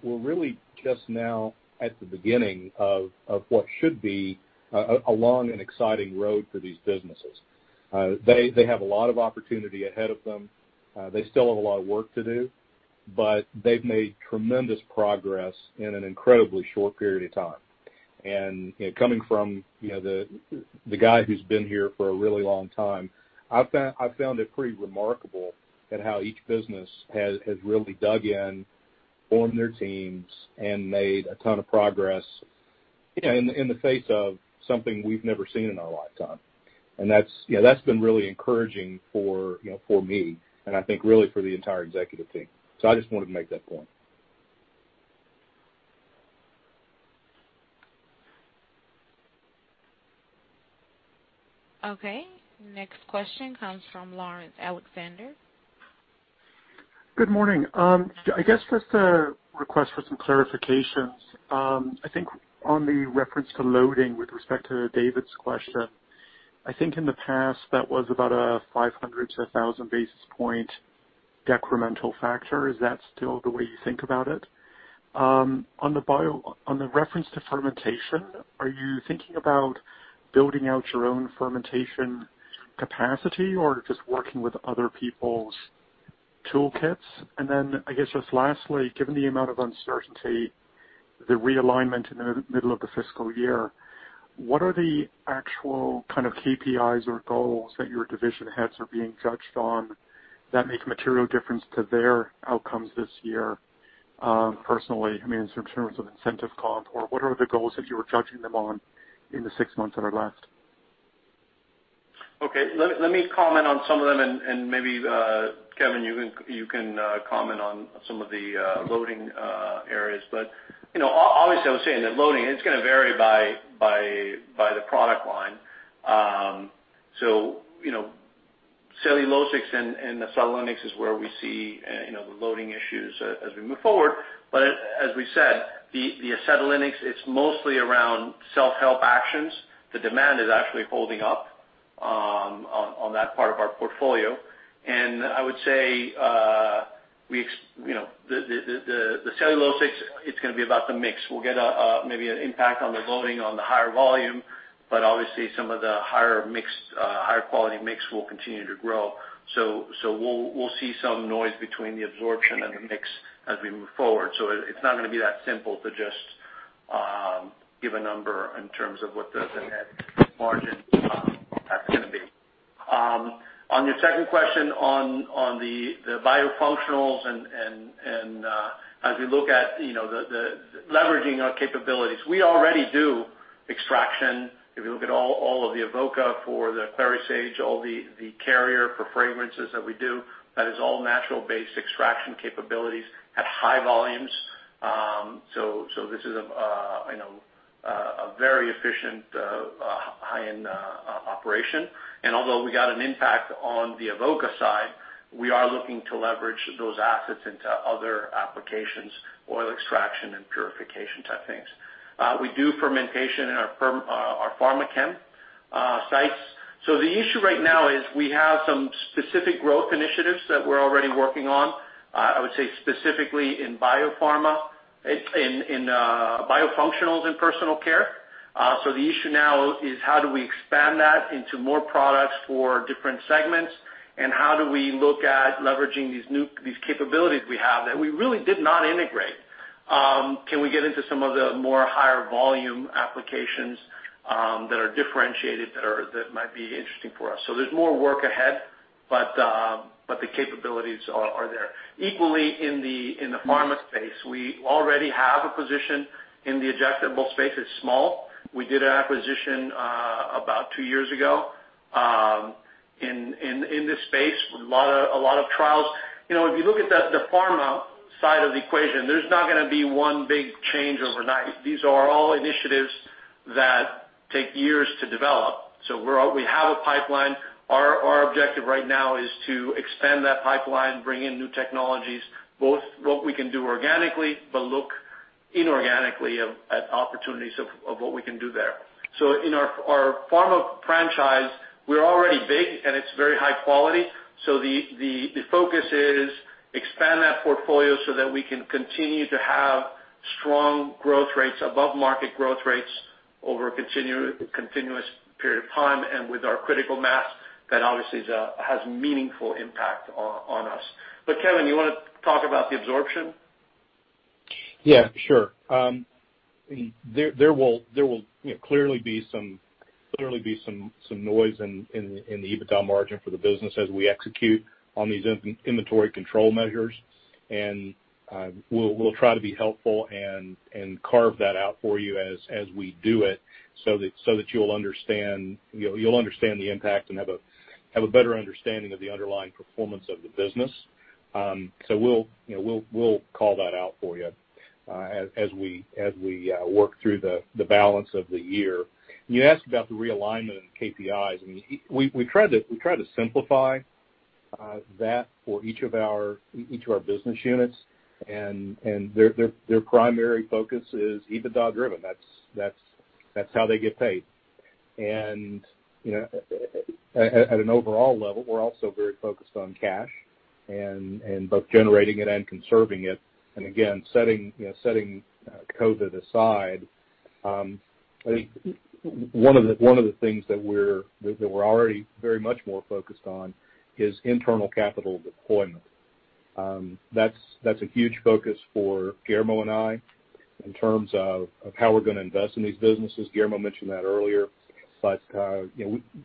just now at the beginning of what should be a long and exciting road for these businesses. They have a lot of opportunity ahead of them. They still have a lot of work to do, but they've made tremendous progress in an incredibly short period of time. Coming from the guy who's been here for a really long time, I've found it pretty remarkable at how each business has really dug in, formed their teams, and made a ton of progress in the face of something we've never seen in our lifetime. That's been really encouraging for me and I think really for the entire executive team. I just wanted to make that point. Okay. Next question comes from Laurence Alexander. Good morning. I guess just a request for some clarifications. I think on the reference to loading with respect to Dave's question, I think in the past, that was about a 500-1,000 basis point decremental factor. Is that still the way you think about it? On the reference to fermentation, are you thinking about building out your own fermentation capacity or just working with other people's toolkits? I guess just lastly, given the amount of uncertainty, the realignment in the middle of the fiscal year, what are the actual kind of KPIs or goals that your division heads are being judged on that make a material difference to their outcomes this year personally, in terms of incentive comp, or what are the goals that you are judging them on in the six months that are left? Let me comment on some of them, and maybe, Kevin, you can comment on some of the loading areas. Obviously, I was saying that loading, it's going to vary by the product line. Cellulosics and acetylenics is where we see the loading issues as we move forward. As we said, the acetylenics, it's mostly around self-help actions. The demand is actually holding up on that part of our portfolio. I would say, the cellulosics, it's going to be about the mix. We'll get maybe an impact on the loading on the higher volume, but obviously some of the higher quality mix will continue to grow. We'll see some noise between the absorption and the mix as we move forward. It's not going to be that simple to just give a number in terms of what the net margin is going to be. On your second question on the biofunctionals and as we look at leveraging our capabilities, we already do extraction. If you look at all of the Avoca for the clary sage, all the carrier for fragrances that we do, that is all natural-based extraction capabilities at high volumes. This is a very efficient, high-end operation. Although we got an impact on the Avoca side, we are looking to leverage those assets into other applications, oil extraction and purification type things. We do fermentation in our Pharmachem sites. The issue right now is we have some specific growth initiatives that we're already working on, I would say specifically in biofunctionals in Personal Care. The issue now is how do we expand that into more products for different segments, and how do we look at leveraging these capabilities we have that we really did not integrate? Can we get into some of the more higher volume applications that are differentiated that might be interesting for us? There's more work ahead, but the capabilities are there. Equally, in the pharma space, we already have a position in the injectable space. It's small. We did an acquisition about two years ago. In this space, a lot of trials. If you look at the pharma side of the equation, there's not going to be one big change overnight. These are all initiatives that take years to develop. We have a pipeline. Our objective right now is to expand that pipeline, bring in new technologies, both what we can do organically, but look inorganically at opportunities of what we can do there. In our pharma franchise, we're already big, and it's very high quality. The focus is expand that portfolio so that we can continue to have strong growth rates, above-market growth rates, over a continuous period of time. With our critical mass, that obviously has meaningful impact on us. Kevin, you want to talk about the absorption? Yeah, sure. There will clearly be some noise in the EBITDA margin for the business as we execute on these inventory control measures. We'll try to be helpful and carve that out for you as we do it so that you'll understand the impact and have a better understanding of the underlying performance of the business. We'll call that out for you as we work through the balance of the year. You asked about the realignment of KPIs. We try to simplify that for each of our business units, and their primary focus is EBITDA-driven. That's how they get paid. At an overall level, we're also very focused on cash and both generating it and conserving it. Again, setting COVID aside, one of the things that we're already very much more focused on is internal capital deployment. That's a huge focus for Guillermo and I in terms of how we're going to invest in these businesses. Guillermo mentioned that earlier.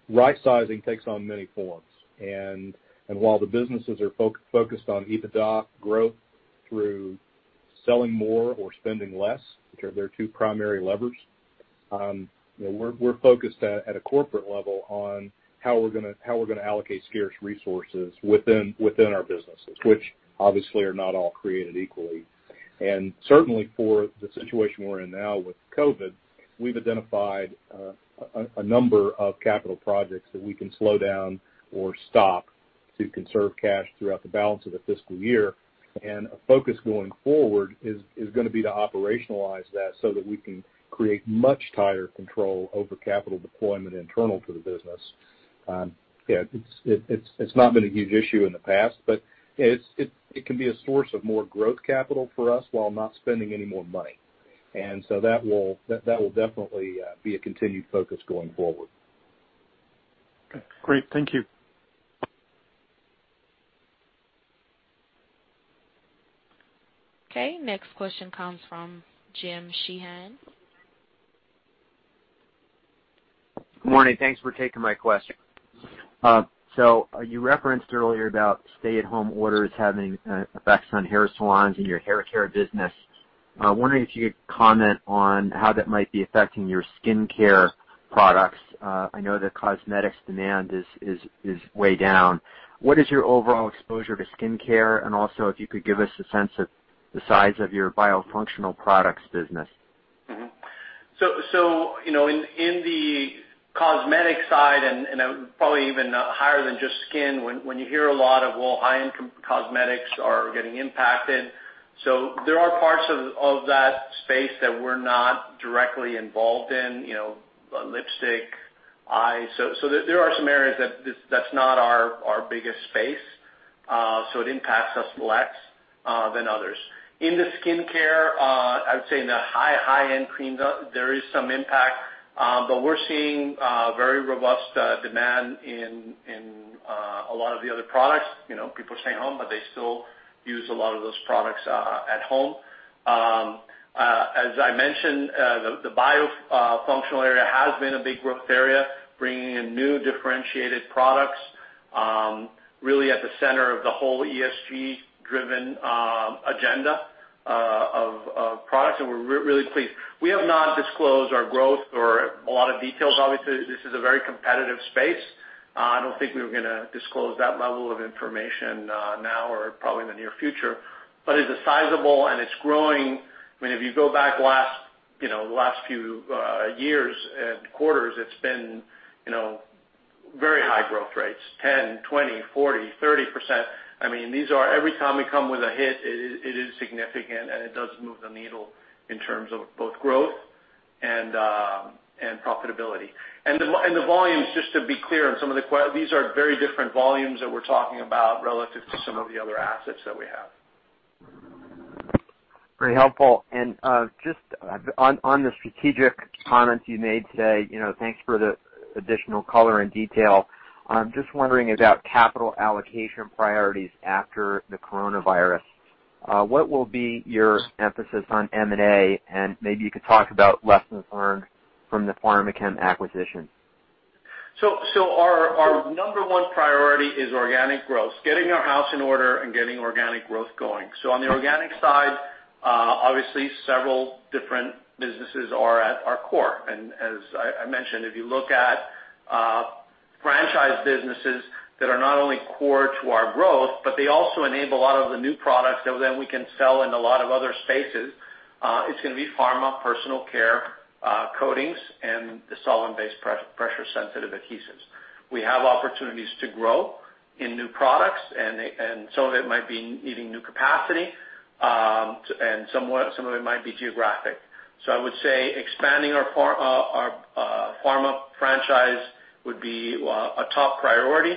Right-sizing takes on many forms, and while the businesses are focused on EBITDA growth through selling more or spending less, which are their two primary levers, we're focused at a corporate level on how we're going to allocate scarce resources within our businesses, which obviously are not all created equally. Certainly, for the situation we're in now with COVID, we've identified a number of capital projects that we can slow down or stop to conserve cash throughout the balance of the fiscal year. A focus going forward is going to be to operationalize that so that we can create much tighter control over capital deployment internal to the business. It's not been a huge issue in the past, but it can be a source of more growth capital for us while not spending any more money. That will definitely be a continued focus going forward. Okay. Great. Thank you. Okay, next question comes from Jim Sheehan. Good morning. Thanks for taking my question. You referenced earlier about stay-at-home orders having effects on hair salons and your hair care business. I'm wondering if you could comment on how that might be affecting your skin care products. I know that cosmetics demand is way down. What is your overall exposure to skin care? Also, if you could give us a sense of the size of your biofunctional products business. In the cosmetic side, and probably even higher than just skin, when you hear a lot of, well, high-end cosmetics are getting impacted. There are parts of that space that we're not directly involved in, lipstick, eyes. There are some areas that's not our biggest space, so it impacts us less than others. In the skincare, I would say in the high-end creams, there is some impact, but we're seeing very robust demand in a lot of the other products. People are staying home, but they still use a lot of those products at home. As I mentioned, the biofunctional area has been a big growth area, bringing in new differentiated products, really at the center of the whole ESG-driven agenda of products, and we're really pleased. We have not disclosed our growth or a lot of details. Obviously, this is a very competitive space. I don't think we were going to disclose that level of information now or probably in the near future. It's sizable, and it's growing. If you go back the last few years and quarters, it's been very high growth rates, 10%, 20%, 40%, 30%. Every time we come with a hit, it is significant, and it does move the needle in terms of both growth and profitability. The volumes, just to be clear on these are very different volumes that we're talking about relative to some of the other assets that we have. Very helpful. Just on the strategic comments you made today, thanks for the additional color and detail. Just wondering about capital allocation priorities after the coronavirus. What will be your emphasis on M&A? Maybe you could talk about lessons learned from the Pharmachem acquisition. Our number one priority is organic growth, getting our house in order and getting organic growth going. On the organic side, obviously several different businesses are at our core. As I mentioned, if you look at franchise businesses that are not only core to our growth, but they also enable a lot of the new products that then we can sell in a lot of other spaces. It's going to be Pharma, Personal Care, Coatings, and the Solvent-based pressure-sensitive adhesives. We have opportunities to grow in new products, and some of it might be needing new capacity, and some of it might be geographic. I would say expanding our pharma franchise would be a top priority.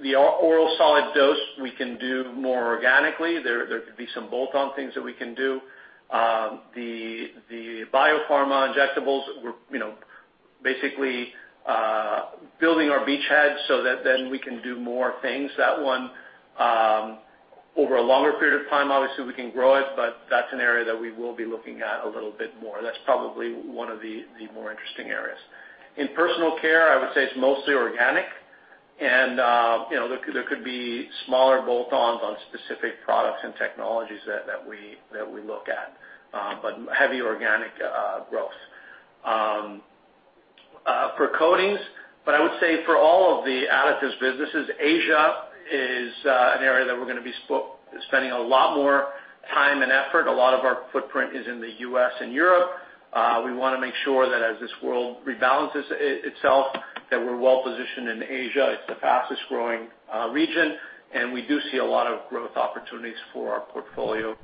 The oral solid dose, we can do more organically. There could be some bolt-on things that we can do. The biopharma injectables, we're basically building our beachhead so that we can do more things. That one, over a longer period of time, obviously we can grow it, but that's an area that we will be looking at a little bit more. That's probably one of the more interesting areas. In Personal Care, I would say it's mostly organic, there could be smaller bolt-ons on specific products and technologies that we look at. Heavy organic growth. For Coatings, I would say for all of the additives businesses, Asia is an area that we're going to be spending a lot more time and effort. A lot of our footprint is in the U.S. and Europe. We want to make sure that as this world rebalances itself, that we're well-positioned in Asia. It's the fastest-growing region. We do see a lot of growth opportunities for our portfolio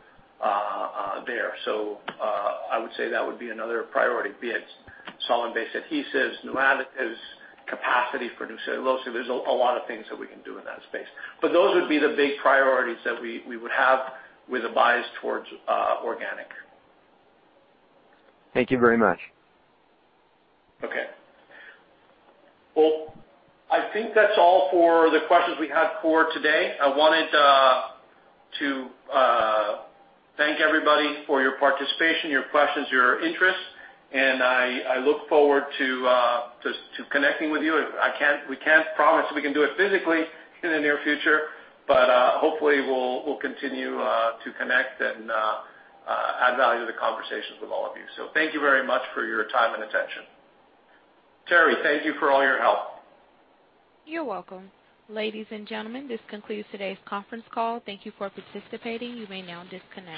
there. I would say that would be another priority, be it Solvent-based adhesives, new additives, capacity for new cellulose. There's a lot of things that we can do in that space. Those would be the big priorities that we would have with a bias towards organic. Thank you very much. Okay. Well, I think that's all for the questions we had for today. I wanted to thank everybody for your participation, your questions, your interest, and I look forward to connecting with you. We can't promise we can do it physically in the near future. Hopefully we'll continue to connect and add value to the conversations with all of you. Thank you very much for your time and attention. Terry, thank you for all your help. You're welcome. Ladies and gentlemen, this concludes today's conference call. Thank you for participating. You may now disconnect.